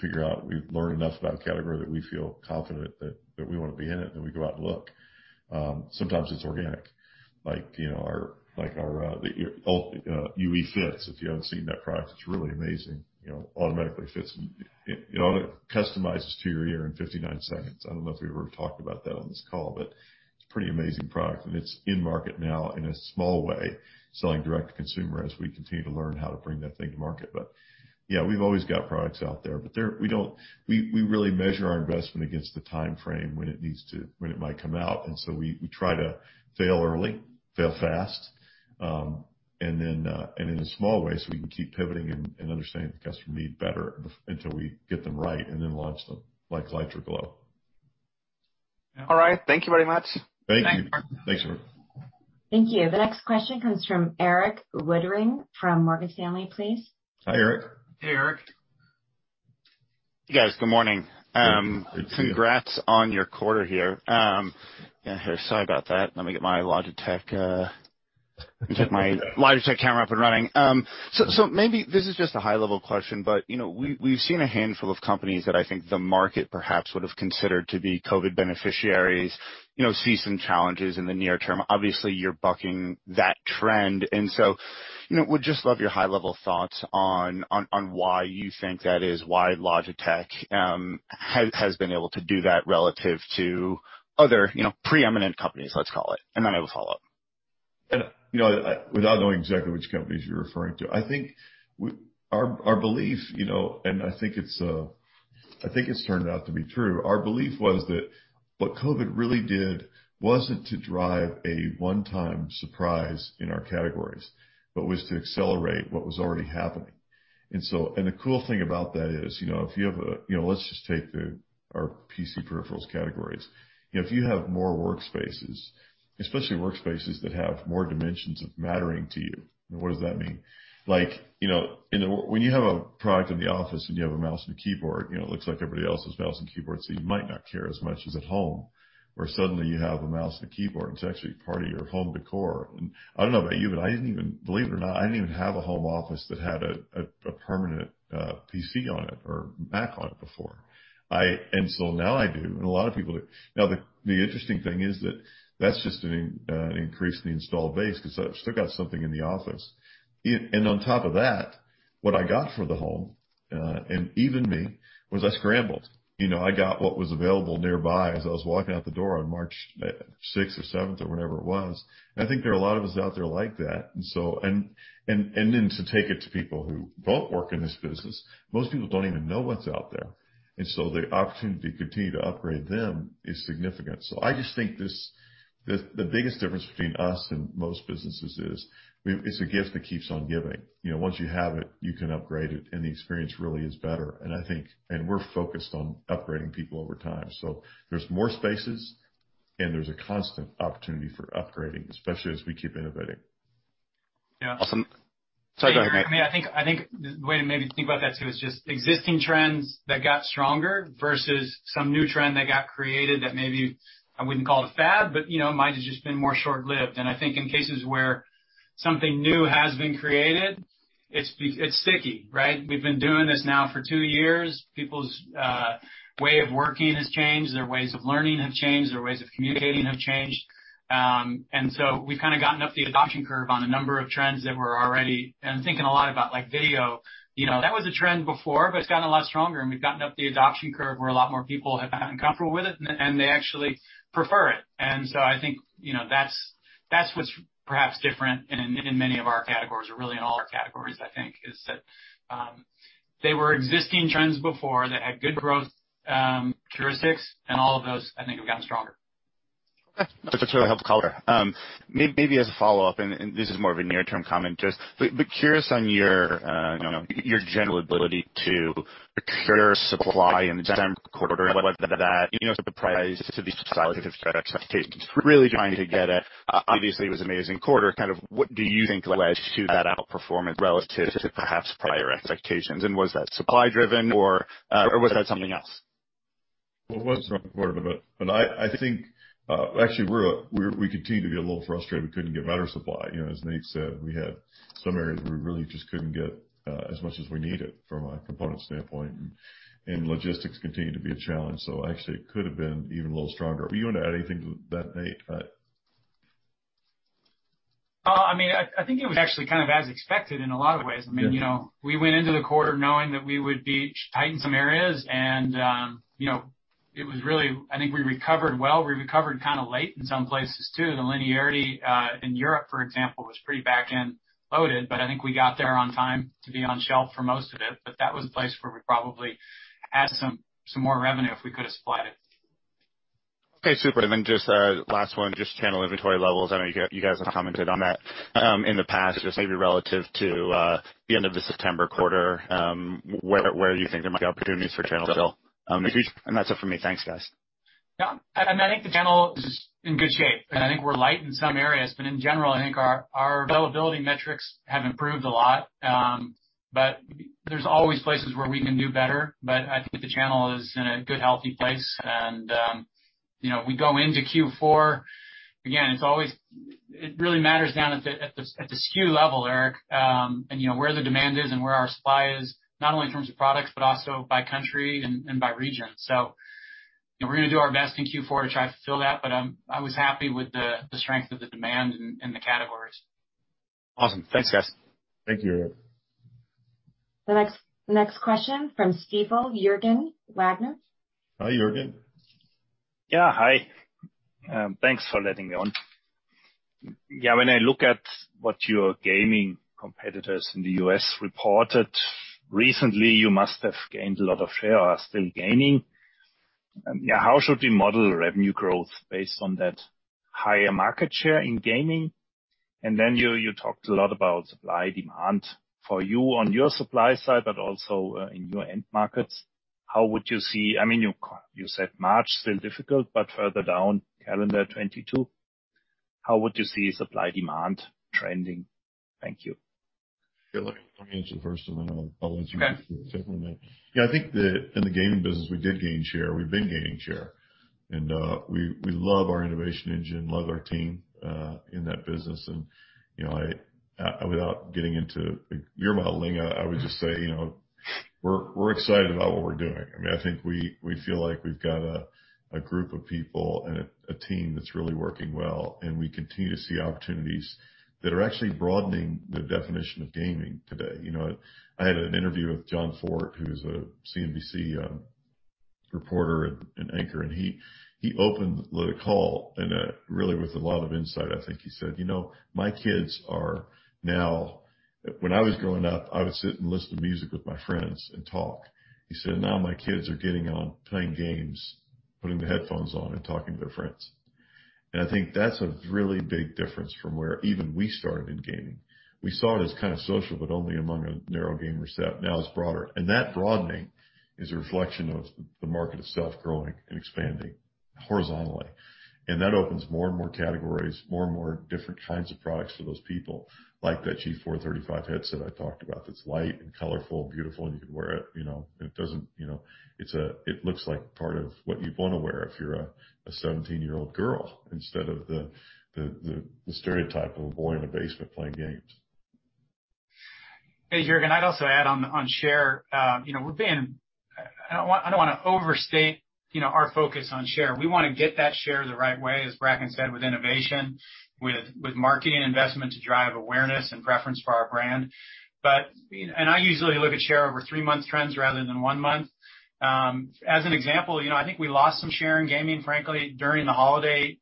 figure out we learn enough about a category that we feel confident that we wanna be in it, and then we go out and look. Sometimes it's organic, like, you know, our UE FITS. If you haven't seen that product, it's really amazing. You know, automatically fits and it auto-customizes to your ear in 59 seconds. I don't know if we've ever talked about that on this call, but it's a pretty amazing product, and it's in market now in a small way, selling direct to consumer as we continue to learn how to bring that thing to market. Yeah, we've always got products out there. We really measure our investment against the timeframe when it might come out. We try to fail early, fail fast, and in a small way so we can keep pivoting and understanding the customer need better until we get them right and then launch them like Litra Glow. All right. Thank you very much. Thank you. Thanks. Thanks, Joern. Thank you. The next question comes from Erik Woodring from Morgan Stanley, please. Hi, Erik. Hey, Erik. You guys, good morning. Good to see you. Congrats on your quarter here. Yeah. Here, sorry about that. Let me get my Logitech camera up and running. Maybe this is just a high level question, but, you know, we've seen a handful of companies that I think the market perhaps would have considered to be COVID beneficiaries, you know, see some challenges in the near term. Obviously, you're bucking that trend. You know, would just love your high level thoughts on why you think that is. Why Logitech has been able to do that relative to other, you know, preeminent companies, let's call it. I will follow up. You know, without knowing exactly which companies you're referring to, I think our belief, you know, and I think it's turned out to be true. Our belief was that what COVID really did wasn't to drive a one-time surprise in our categories, but was to accelerate what was already happening. The cool thing about that is, you know, you know, let's just take our PC peripherals categories. You know, if you have more workspaces, especially workspaces that have more dimensions of mattering to you. Now, what does that mean? Like, you know, when you have a product in the office and you have a mouse and a keyboard, you know, it looks like everybody else's mouse and keyboard, so you might not care as much as at home, where suddenly you have a mouse and a keyboard, and it's actually part of your home decor. I don't know about you, but believe it or not, I didn't even have a home office that had a permanent PC on it or Mac on it before. Now I do, and a lot of people do. Now, the interesting thing is that that's just an increase in the installed base because I've still got something in the office. On top of that, what I got for the home, and even me, was I scrambled. You know, I got what was available nearby as I was walking out the door on March 6th or 7th or whenever it was. I think there are a lot of us out there like that. Then to take it to people who both work in this business, most people don't even know what's out there. The opportunity to continue to upgrade them is significant. I just think the biggest difference between us and most businesses is it's a gift that keeps on giving. You know, once you have it, you can upgrade it, and the experience really is better. We're focused on upgrading people over time. There's more spaces, and there's a constant opportunity for upgrading, especially as we keep innovating. Yeah. Awesome. Sorry, go ahead, Nate. I mean, I think the way to maybe think about that too is just existing trends that got stronger versus some new trend that got created that maybe I wouldn't call it a fad, but you know, it might have just been more short-lived. I think in cases where something new has been created, it's sticky, right? We've been doing this now for two years. People's way of working has changed, their ways of learning have changed, their ways of communicating have changed. We've kind of gotten up the adoption curve on a number of trends that were already thinking a lot about, like, video. You know, that was a trend before, but it's gotten a lot stronger, and we've gotten up the adoption curve where a lot more people have gotten comfortable with it, and they actually prefer it. I think, you know, that's what's perhaps different in many of our categories or really in all our categories, I think, is that they were existing trends before that had good growth, heuristics and all of those, I think have gotten stronger. Okay. That's a truly helpful color. Maybe as a follow-up, this is more of a near-term comment, just be curious on your, you know, your general ability to procure supply in the December quarter, whether that, you know, surprised to the relative expectations. Really trying to get at, obviously it was amazing quarter, kind of what do you think led to that outperformance relative to perhaps prior expectations? Was that supply driven or was that something else? Well, it was a strong quarter, I think actually we continue to be a little frustrated we couldn't get better supply. You know, as Nate said, we had some areas where we really just couldn't get as much as we needed from a component standpoint, and logistics continue to be a challenge. Actually it could have been even a little stronger. You want to add anything to that, Nate? I mean, I think it was actually kind of as expected in a lot of ways. Yeah. I mean, you know, we went into the quarter knowing that we would be tight in some areas and, you know, it was really. I think we recovered well. We recovered kind of late in some places, too. The linearity in Europe, for example, was pretty back-end loaded, but I think we got there on time to be on shelf for most of it. That was a place where we probably had some more revenue if we could have supplied it. Okay, super. Just last one, just channel inventory levels. I know you guys have commented on that in the past, just maybe relative to the end of the September quarter, where do you think there might be opportunities for channel fill? That's it for me. Thanks, guys. I think the channel is in good shape, and I think we're light in some areas, but in general, I think our availability metrics have improved a lot. There's always places where we can do better. I think the channel is in a good, healthy place, and you know, we go into Q4. Again, it really matters down at the SKU level, Erik, and you know, where the demand is and where our supply is, not only in terms of products, but also by country and by region. You know, we're gonna do our best in Q4 to try to fill that, but I was happy with the strength of the demand in the categories. Awesome. Thanks, guys. Thank you, Eric. The next question from Stifel, Jürgen Wagner. Hi, Jürgen. Hi. Thanks for letting me on. When I look at what your gaming competitors in the U.S. reported recently, you must have gained a lot of share or are still gaining. How should we model revenue growth based on that higher market share in gaming? You talked a lot about supply demand for you on your supply side, but also in your end markets. I mean, you said March still difficult, but further down calendar 2022, how would you see supply demand trending? Thank you. If you like, let me answer first and then I'll follow through with you. Okay. Yeah. I think in the gaming business, we did gain share. We've been gaining share. We love our innovation engine, love our team in that business. You know, without getting into your modeling, I would just say, you know, we're excited about what we're doing. I mean, I think we feel like we've got a group of people and a team that's really working well, and we continue to see opportunities that are actually broadening the definition of gaming today. You know, I had an interview with Jon Fortt, who's a CNBC reporter and anchor, and he opened the call and really with a lot of insight. I think he said, "You know, my kids are now. When I was growing up, I would sit and listen to music with my friends and talk." He said, "Now my kids are getting on playing games, putting the headphones on and talking to their friends." I think that's a really big difference from where even we started in gaming. We saw it as kind of social, but only among a narrow gamer set. Now it's broader. That broadening is a reflection of the market itself growing and expanding horizontally. That opens more and more categories, more and more different kinds of products for those people. Like that G435 headset I talked about that's light and colorful, beautiful, and you can wear it, you know, and it doesn't, you know. It looks like part of what you'd want to wear if you're a 17-year-old girl instead of the stereotype of a boy in a basement playing games. Hey, Jürgen. I'd also add on share, you know, I don't want to overstate, you know, our focus on share. We want to get that share the right way, as Bracken said, with innovation, with marketing investment to drive awareness and preference for our brand. You know, I usually look at share over three-month trends rather than one month. As an example, you know, I think we lost some share in gaming, frankly, during the holiday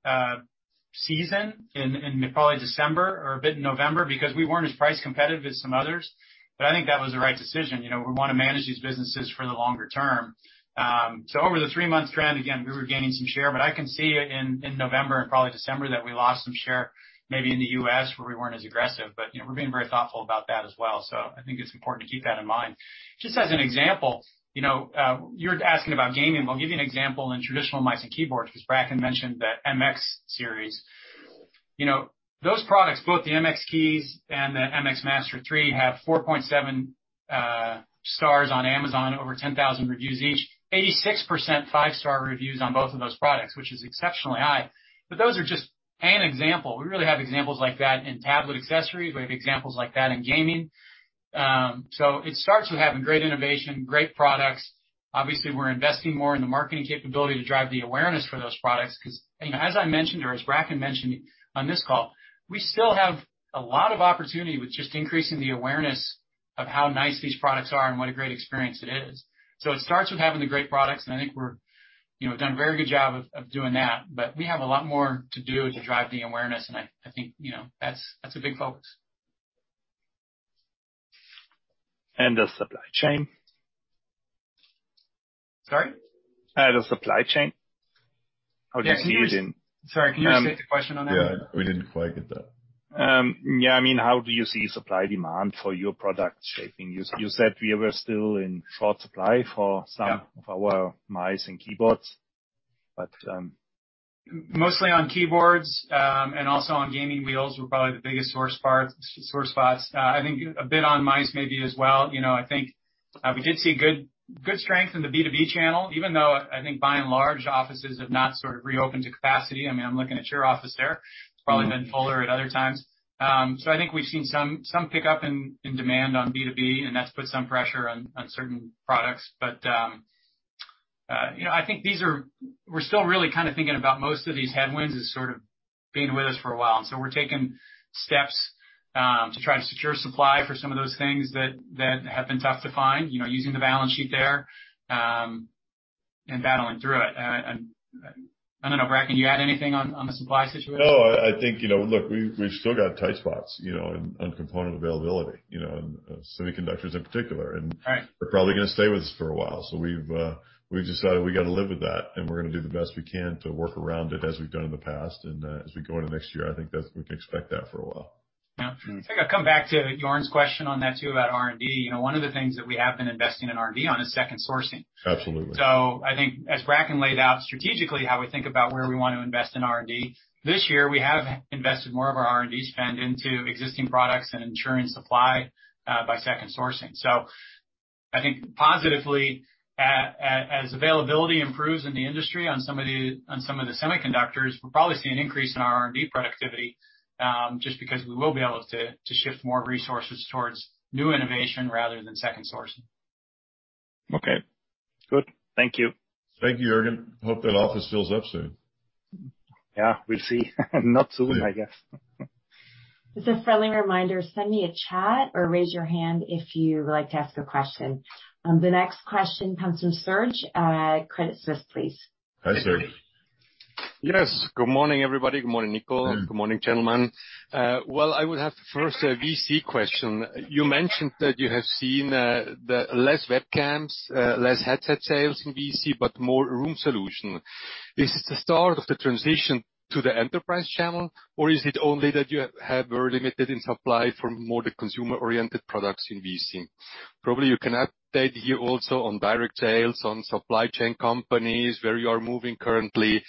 season in probably December or a bit in November because we weren't as price competitive as some others. I think that was the right decision. You know, we want to manage these businesses for the longer term. Over the three-month trend, again, we were gaining some share, but I can see in November and probably December that we lost some share maybe in the U.S. where we weren't as aggressive. You know, we're being very thoughtful about that as well. I think it's important to keep that in mind. Just as an example, you know, you're asking about gaming. I'll give you an example in traditional mice and keyboards, because Bracken mentioned the MX series. You know, those products, both the MX Keys and the MX Master 3 have 4.7 stars on Amazon, over 10,000 reviews each. 86% five-star reviews on both of those products, which is exceptionally high. Those are just an example. We really have examples like that in tablet accessories. We have examples like that in gaming. It starts with having great innovation, great products. Obviously, we're investing more in the marketing capability to drive the awareness for those products because, you know, as I mentioned or as Bracken mentioned on this call, we still have a lot of opportunity with just increasing the awareness of how nice these products are and what a great experience it is. It starts with having the great products, and I think we're, you know, done a very good job of doing that, but we have a lot more to do to drive the awareness, and I think, you know, that's a big focus. The supply chain? Sorry? The supply chain. How do you see- Sorry, can you restate the question on that? Yeah, we didn't quite get that. Yeah, I mean, how do you see supply demand for your product shaping? You said we were still in short supply for- Yeah. Some of our mice and keyboards, but. Mostly on keyboards, and also on gaming wheels were probably the biggest sore spots. I think a bit on mice maybe as well. You know, I think we did see good strength in the B2B channel, even though I think by and large, offices have not sort of reopened to capacity. I mean, I'm looking at your office there. Mm-hmm. It's probably been fuller at other times. So I think we've seen some pickup in demand on B2B, and that's put some pressure on certain products. You know, I think these are. We're still really kinda thinking about most of these headwinds as sort of being with us for a while. We're taking steps to try to secure supply for some of those things that have been tough to find, you know, using the balance sheet there, and battling through it. I don't know, Bracken, can you add anything on the supply situation? No, I think, you know, look, we've still got tight spots, you know, on component availability, you know, and semiconductors in particular and Right. They're probably gonna stay with us for a while. We've decided we gotta live with that, and we're gonna do the best we can to work around it as we've done in the past. As we go into next year, I think that's we can expect that for a while. Yeah. I think I'll come back to Jürgen's question on that too, about R&D. You know, one of the things that we have been investing in R&D on is second sourcing. Absolutely. I think as Bracken laid out strategically how we think about where we want to invest in R&D, this year, we have invested more of our R&D spend into existing products and ensuring supply by second sourcing. I think positively, as availability improves in the industry on some of the semiconductors, we'll probably see an increase in our R&D productivity, just because we will be able to shift more resources towards new innovation rather than second sourcing. Okay. Good. Thank you. Thank you, Jürgen. Hope that office fills up soon. Yeah, we'll see. Not soon, I guess. Just a friendly reminder, send me a chat or raise your hand if you would like to ask a question. The next question comes from Serge at Credit Suisse, please. Hi, Serge. Yes. Good morning, everybody. Good morning, Nicole. Mm. Good morning, gentlemen. Well, I would have first a VC question. You mentioned that you have seen the less webcams, less headset sales in VC, but more room solution. Is this the start of the transition to the enterprise channel, or is it only that you have very limited in supply for more the consumer-oriented products in VC? Probably you can update here also on direct sales, on supply chain companies, where you are moving currently,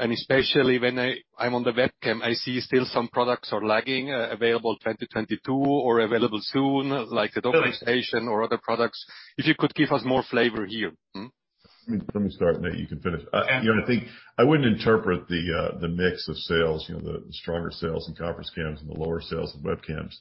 and especially when I'm on the webcam, I see still some products are lagging, available 2022 or available soon, like the Logi Dock or other products. If you could give us more flavor here. Let me start, Nate, you can finish. Yeah. You know, I think I wouldn't interpret the mix of sales, you know, the stronger sales in conference cams and the lower sales in webcams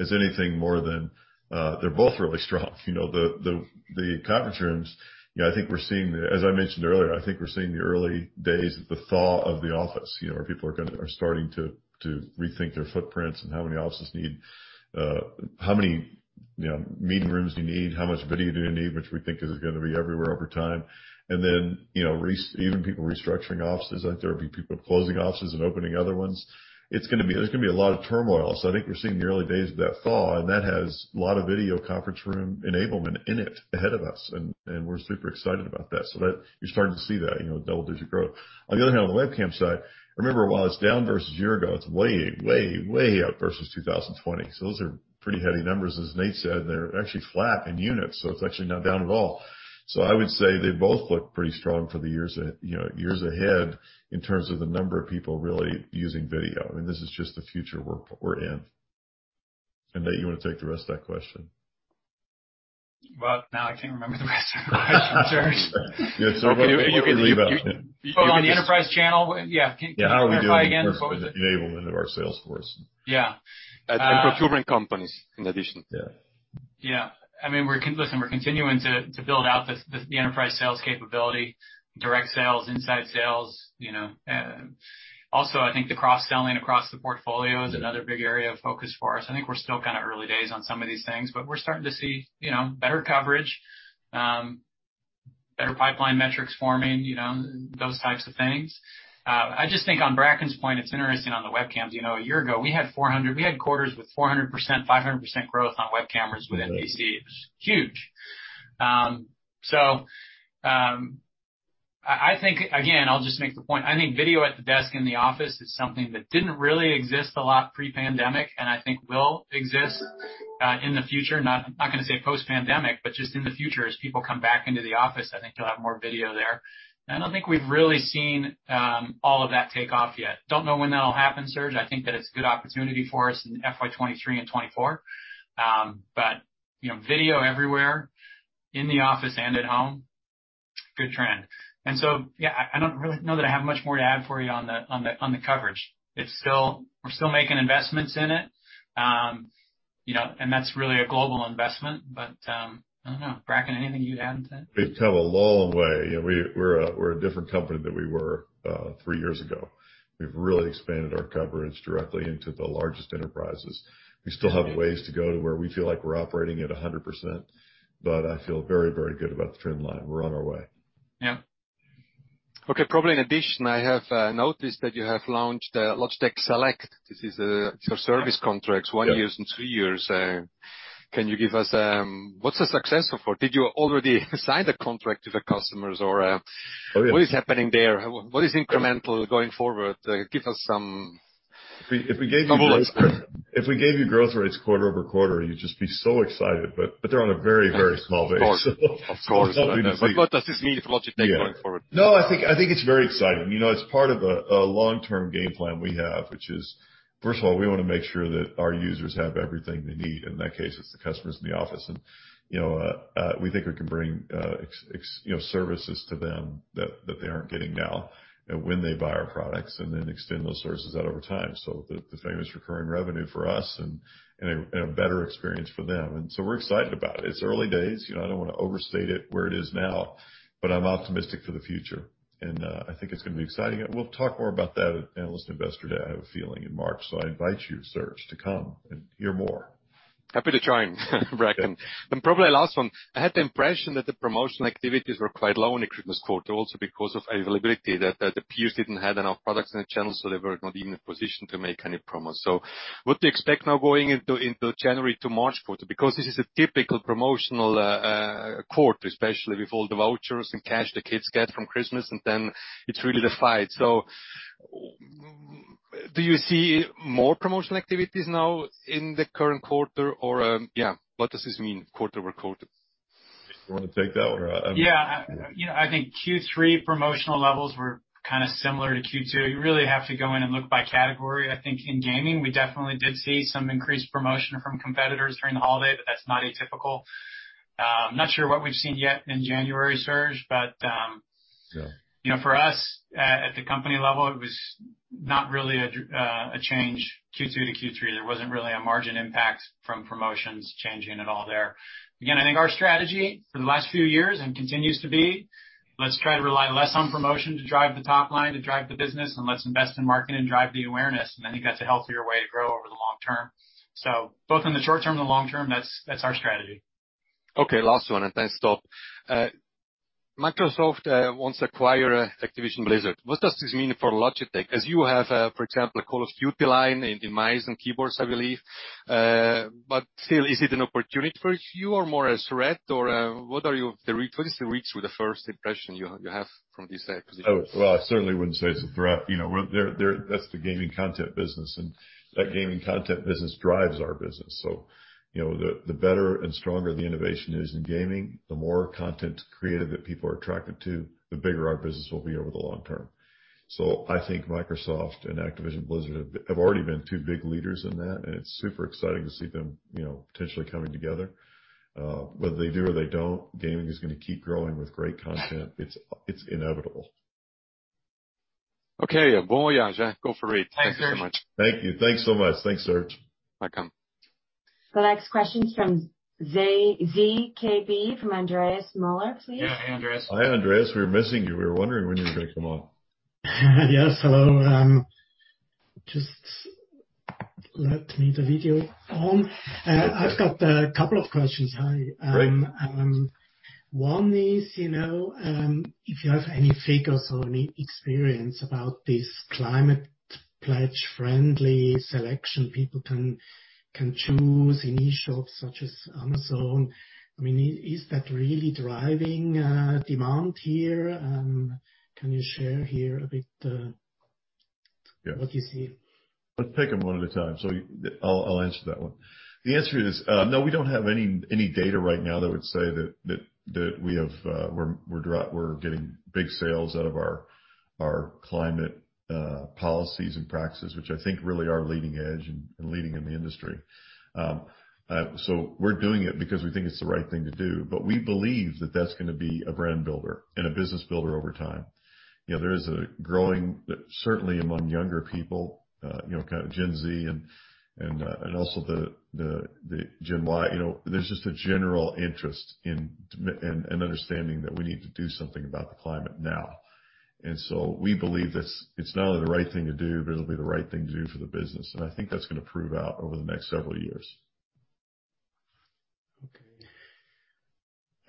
as anything more than they're both really strong. You know, the conference rooms, you know, I think we're seeing the early days of the thaw of the office. As I mentioned earlier, I think we're seeing the early days of the thaw of the office. You know, where people are starting to rethink their footprints and how many offices need, how many meeting rooms do you need? How much video do you need? Which we think is gonna be everywhere over time. Then, you know, even people restructuring offices. I think there'll be people closing offices and opening other ones. There's gonna be a lot of turmoil. I think we're seeing the early days of that thaw, and that has a lot of video conference room enablement in it ahead of us, and we're super excited about that. You're starting to see that, you know, double-digit growth. On the other hand, on the webcam side, remember, while it's down versus a year ago, it's way, way up versus 2020. Those are pretty heady numbers, as Nate said. They're actually flat in units, so it's actually not down at all. I would say they both look pretty strong for the years, you know, years ahead in terms of the number of people really using video. I mean, this is just the future we're in. Nate, you wanna take the rest of that question? Well, now I can't remember the rest of the question, Serge. Yeah, what were you leading with? Yeah. Well, on the enterprise channel. Yeah. Can you clarify again? Yeah, how are we doing in terms of the enablement of our sales force? Yeah. Procurement companies, in addition. Yeah. I mean, we're continuing to build out the enterprise sales capability, direct sales, inside sales, you know. Also, I think the cross-selling across the portfolio is another big area of focus for us. I think we're still kinda early days on some of these things, but we're starting to see, you know, better coverage, better pipeline metrics forming, you know, those types of things. I just think on Bracken's point, it's interesting on the webcams. You know, a year ago, we had quarters with 400%, 500% growth on webcams within VC. Mm. Huge. So, I think, again, I'll just make the point. I think video at the desk in the office is something that didn't really exist a lot pre-pandemic, and I think will exist in the future. Not, I'm not gonna say post-pandemic, but just in the future as people come back into the office, I think you'll have more video there. I don't think we've really seen all of that take off yet. Don't know when that'll happen, Serge. I think that it's a good opportunity for us in FY 2023 and 2024. But, you know, video everywhere, in the office and at home, good trend. Yeah, I don't really know that I have much more to add for you on the coverage. It's still. We're still making investments in it. You know, that's really a global investment. I don't know. Bracken, anything you'd add to that? We've come a long way. You know, we're a different company than we were three years ago. We've really expanded our coverage directly into the largest enterprises. We still have a ways to go to where we feel like we're operating at 100%, but I feel very, very good about the trend line. We're on our way. Yeah. Okay. Probably in addition, I have noticed that you have launched Logitech Select. This is your service contracts one years and two years. Can you give us what's the success so far? Did you already sign the contract with the customers or- Oh, yes. What is happening there? What is incremental going forward? Give us some- If we gave you growth. Some numbers. If we gave you growth rates quarter-over-quarter, you'd just be so excited, but they're on a very, very small base. Of course. It's nothing to see. What does this mean for Logitech going forward? No, I think it's very exciting. You know, it's part of a long-term game plan we have, which is, first of all, we wanna make sure that our users have everything they need. In that case, it's the customers in the office. You know, we think we can bring extra services to them that they aren't getting now when they buy our products, and then extend those services out over time. So the famous recurring revenue for us and a better experience for them. We're excited about it. It's early days. You know, I don't wanna overstate it where it is now, but I'm optimistic for the future. I think it's gonna be exciting. We'll talk more about that at Analyst & Investor Day, I have a feeling, in March. I invite you, Serge, to come and hear more. Happy to join, Bracken. Yeah. Probably last one. I had the impression that the promotional activities were quite low in the Christmas quarter, also because of availability, the peers didn't have enough products in the channel, so they were not even in a position to make any promos. What do you expect now going into January to March quarter? Because this is a typical promotional quarter, especially with all the vouchers and cash the kids get from Christmas, and then it's really the fight. Do you see more promotional activities now in the current quarter? What does this mean quarter-over-quarter? You wanna take that one, or I mean. Yeah. You know, I think Q3 promotional levels were kinda similar to Q2. You really have to go in and look by category. I think in gaming, we definitely did see some increased promotion from competitors during the holiday, but that's not atypical. I'm not sure what we've seen yet in January, Serge, but, Yeah. You know, for us, at the company level, it was not really a change Q2 to Q3. There wasn't really a margin impact from promotions changing at all there. Again, I think our strategy for the last few years, and continues to be, let's try to rely less on promotion to drive the top line, to drive the business, and let's invest in marketing and drive the awareness. I think that's a healthier way to grow over the long term. Both in the short term and the long term, that's our strategy. Okay. Last one, thanks though. Microsoft wants to acquire Activision Blizzard. What does this mean for Logitech? As you have, for example, a Call of Duty line in the mice and keyboards, I believe. But still, is it an opportunity for you or more a threat or, what is the reach or the first impression you have from this acquisition? Oh. Well, I certainly wouldn't say it's a threat. You know, that's the gaming content business, and that gaming content business drives our business. So, you know, the better and stronger the innovation is in gaming, the more content created that people are attracted to, the bigger our business will be over the long term. So I think Microsoft and Activision Blizzard have already been two big leaders in that, and it's super exciting to see them, you know, potentially coming together. Whether they do or they don't, gaming is gonna keep growing with great content. It's inevitable. Okay. Bon voyage. Go for it. Thank you so much. Thank you. Thanks so much. Thanks, Serge. Welcome. The next question from ZKB, from Andreas Müller, please. Yeah. Hey, Andreas. Hi, Andreas. We were missing you. We were wondering when you were gonna come on. Yes. Hello. Just let me turn the video on. I've got a couple of questions. Hi. Great. One is, you know, if you have any figures or any experience about this Climate Pledge Friendly selection people can choose in e-shops such as Amazon. I mean, is that really driving demand here? Can you share a bit here? Yeah. What you see? Let's take them one at a time. I'll answer that one. The answer is no, we don't have any data right now that would say that we have, we're getting big sales out of our climate policies and practices, which I think really are leading edge and leading in the industry. We're doing it because we think it's the right thing to do. We believe that that's gonna be a brand builder and a business builder over time. You know, there is a growing, certainly among younger people, you know, kind of Gen Z and also the Gen Y, you know. There's just a general interest in understanding that we need to do something about the climate now. We believe that it's not only the right thing to do, but it'll be the right thing to do for the business. I think that's gonna prove out over the next several years.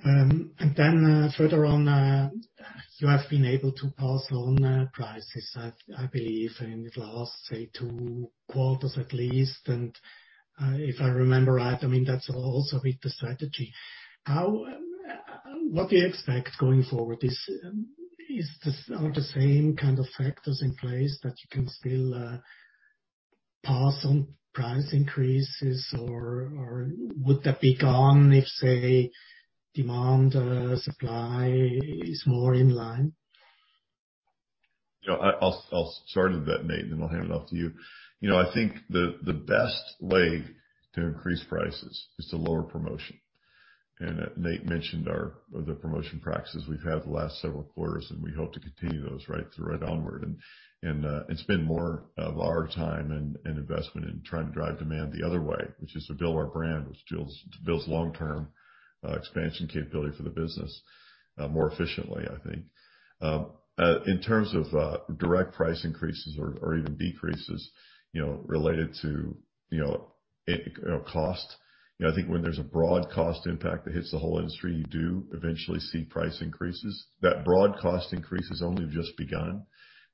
Further on, you have been able to pass on prices, I believe in the last, say, two quarters at least. If I remember right, I mean, that's also with the strategy. What do you expect going forward? Are the same kind of factors in place that you can still pass on price increases or would that be gone if, say, demand supply is more in line? You know, I'll start with that, Nate, and then I'll hand it off to you. You know, I think the best way to increase prices is to lower promotion. Nate mentioned the promotion practices we've had the last several quarters, and we hope to continue those right through onward, and spend more of our time and investment in trying to drive demand the other way, which is to build our brand, which builds long-term expansion capability for the business more efficiently, I think. In terms of direct price increases or even decreases, you know, related to, you know, cost. You know, I think when there's a broad cost impact that hits the whole industry, you do eventually see price increases. That broad cost increase has only just begun.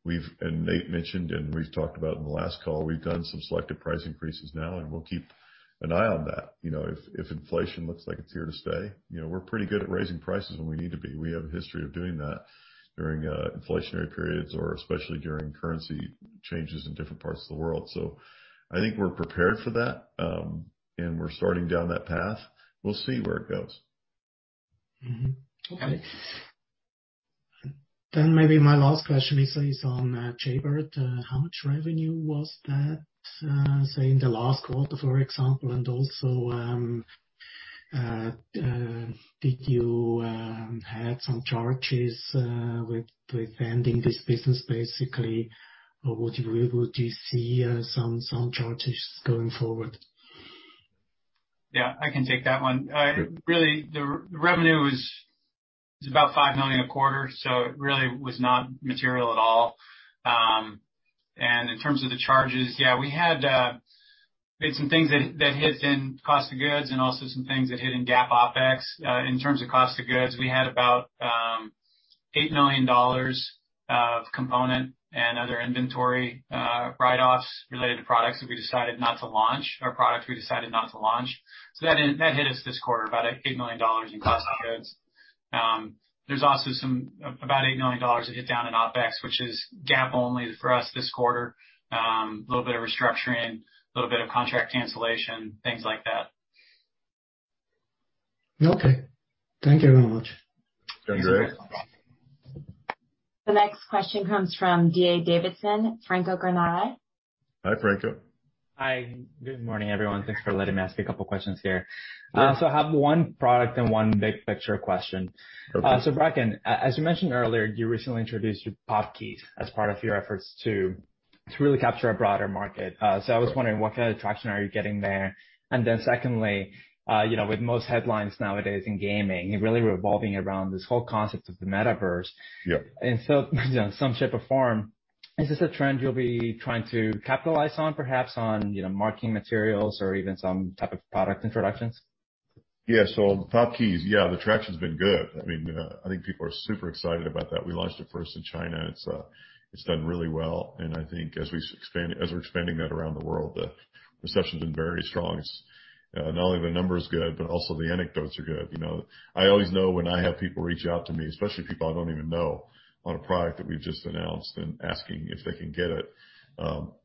Nate mentioned, and we've talked about in the last call, we've done some selective price increases now, and we'll keep an eye on that. You know, if inflation looks like it's here to stay, you know, we're pretty good at raising prices when we need to be. We have a history of doing that during inflationary periods or especially during currency changes in different parts of the world. I think we're prepared for that, and we're starting down that path. We'll see where it goes. Maybe my last question is on Jaybird. How much revenue was that, say, in the last quarter, for example? And also, did you had some charges with ending this business, basically? Or would you see some charges going forward? Yeah, I can take that one. Really the revenue was about $5 million a quarter, so it really was not material at all. In terms of the charges, we had some things that hit in cost of goods and also some things that hit in GAAP OpEx. In terms of cost of goods, we had about $8 million of component and other inventory write-offs related to products that we decided not to launch. That hit us this quarter, about $8 million in cost of goods. There's also about $8 million that hit down in OpEx, which is GAAP only for us this quarter, a little bit of restructuring, a little bit of contract cancellation, things like that. Okay. Thank you very much. Thank you, Eric. The next question comes from D.A. Davidson, Tom Forte. Hi, Tom. Hi. Good morning, everyone. Thanks for letting me ask a couple questions here. Yeah. I have one product and one big picture question. Okay. Bracken, as you mentioned earlier, you recently introduced your POP Keys as part of your efforts to really capture a broader market. I was wondering what kind of traction are you getting there. Secondly, you know, with most headlines nowadays in gaming really revolving around this whole concept of the metaverse. Yeah. In some shape or form, is this a trend you'll be trying to capitalize on, perhaps on, you know, marketing materials or even some type of product introductions? Yeah. POP Keys. Yeah, the traction's been good. I mean, I think people are super excited about that. We launched it first in China. It's done really well. I think as we're expanding that around the world, the reception's been very strong. It's not only the numbers are good, but also the anecdotes are good. You know, I always know when I have people reach out to me, especially people I don't even know, on a product that we've just announced and asking if they can get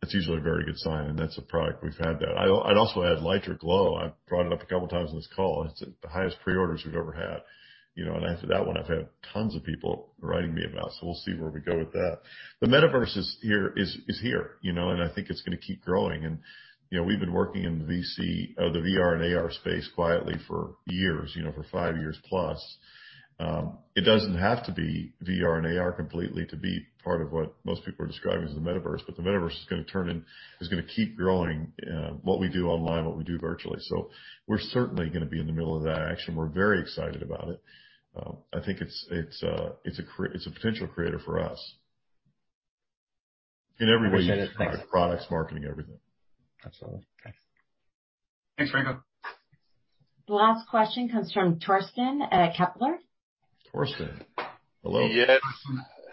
it's usually a very good sign, and that's a product we've had that. I'd also add Litra Glow. I brought it up a couple times on this call. It's the highest pre-orders we've ever had. You know, after that one, I've had tons of people writing me about, so we'll see where we go with that. The metaverse is here, you know. I think it's gonna keep growing. You know, we've been working in the VR and AR space quietly for years, you know, for five years plus. It doesn't have to be VR and AR completely to be part of what most people are describing as the metaverse. The metaverse is gonna keep growing what we do online, what we do virtually. We're certainly gonna be in the middle of that action. We're very excited about it. I think it's a potential creator for us in every way. Appreciate it. Thanks. Products, marketing, everything. Absolutely. Thanks. Thanks, Tom. The last question comes from Torsten at Kepler. Torsten, hello. Yes.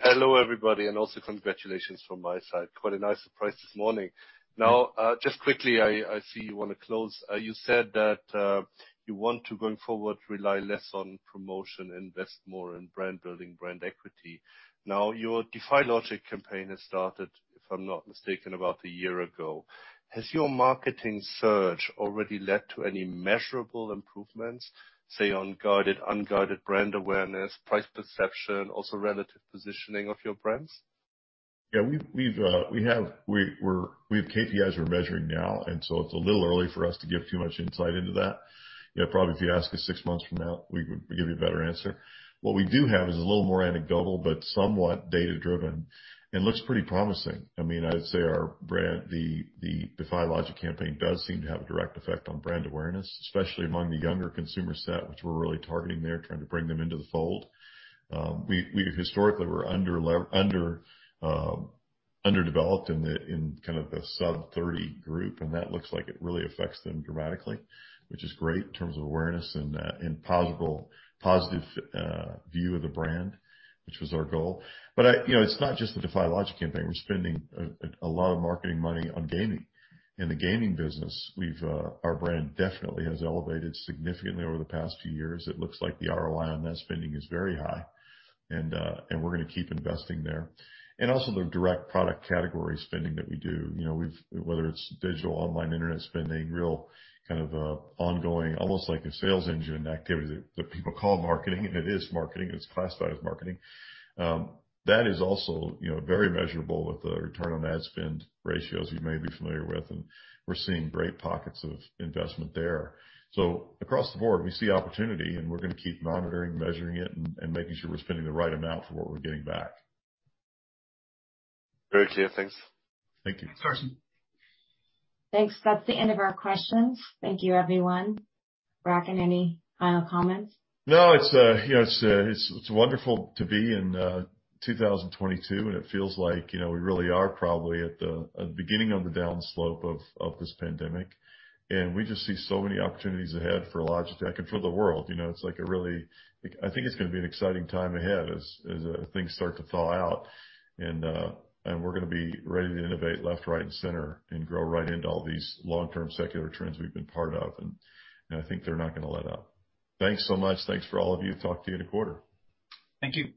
Hello, everybody, and also congratulations from my side. Quite a nice surprise this morning. Now, just quickly, I see you want to close. You said that you want to, going forward, rely less on promotion, invest more in brand building, brand equity. Now, your DEFY LOGIC campaign has started, if I'm not mistaken, about a year ago. Has your marketing spend already led to any measurable improvements, say, on aided, unaided brand awareness, price perception, also relative positioning of your brands? Yeah, we've KPIs we're measuring now, and so it's a little early for us to give too much insight into that. Yeah, probably if you ask us six months from now, we would give you a better answer. What we do have is a little more anecdotal, but somewhat data-driven and looks pretty promising. I mean, I would say our brand, the DEFY LOGIC campaign does seem to have a direct effect on brand awareness, especially among the younger consumer set, which we're really targeting. They're trying to bring them into the fold. We historically were under underdeveloped in kind of the sub-thirty group, and that looks like it really affects them dramatically, which is great in terms of awareness and possible positive view of the brand, which was our goal. You know, it's not just the DEFY LOGIC campaign. We're spending a lot of marketing money on gaming. In the gaming business, we've our brand definitely has elevated significantly over the past few years. It looks like the ROI on that spending is very high and we're gonna keep investing there. Also the direct product category spending that we do. You know, whether it's digital, online, Internet spending, real kind of ongoing, almost like a sales engine activity that people call marketing, and it is marketing, it's classified as marketing. That is also, you know, very measurable with the return on ad spend ratios you may be familiar with, and we're seeing great pockets of investment there. Across the board, we see opportunity, and we're gonna keep monitoring, measuring it and making sure we're spending the right amount for what we're getting back. Very clear. Thanks. Thank you. Thanks. Thanks. That's the end of our questions. Thank you, everyone. Bracken, any final comments? No, it's, you know, wonderful to be in 2022, and it feels like, you know, we really are probably at the beginning of the down slope of this pandemic. We just see so many opportunities ahead for Logitech and for the world. You know, it's like a really, I think it's gonna be an exciting time ahead as things start to thaw out. We're gonna be ready to innovate left, right, and center and grow right into all these long-term secular trends we've been part of. I think they're not gonna let up. Thanks so much. Thanks for all of you. Talk to you in a quarter. Thank you.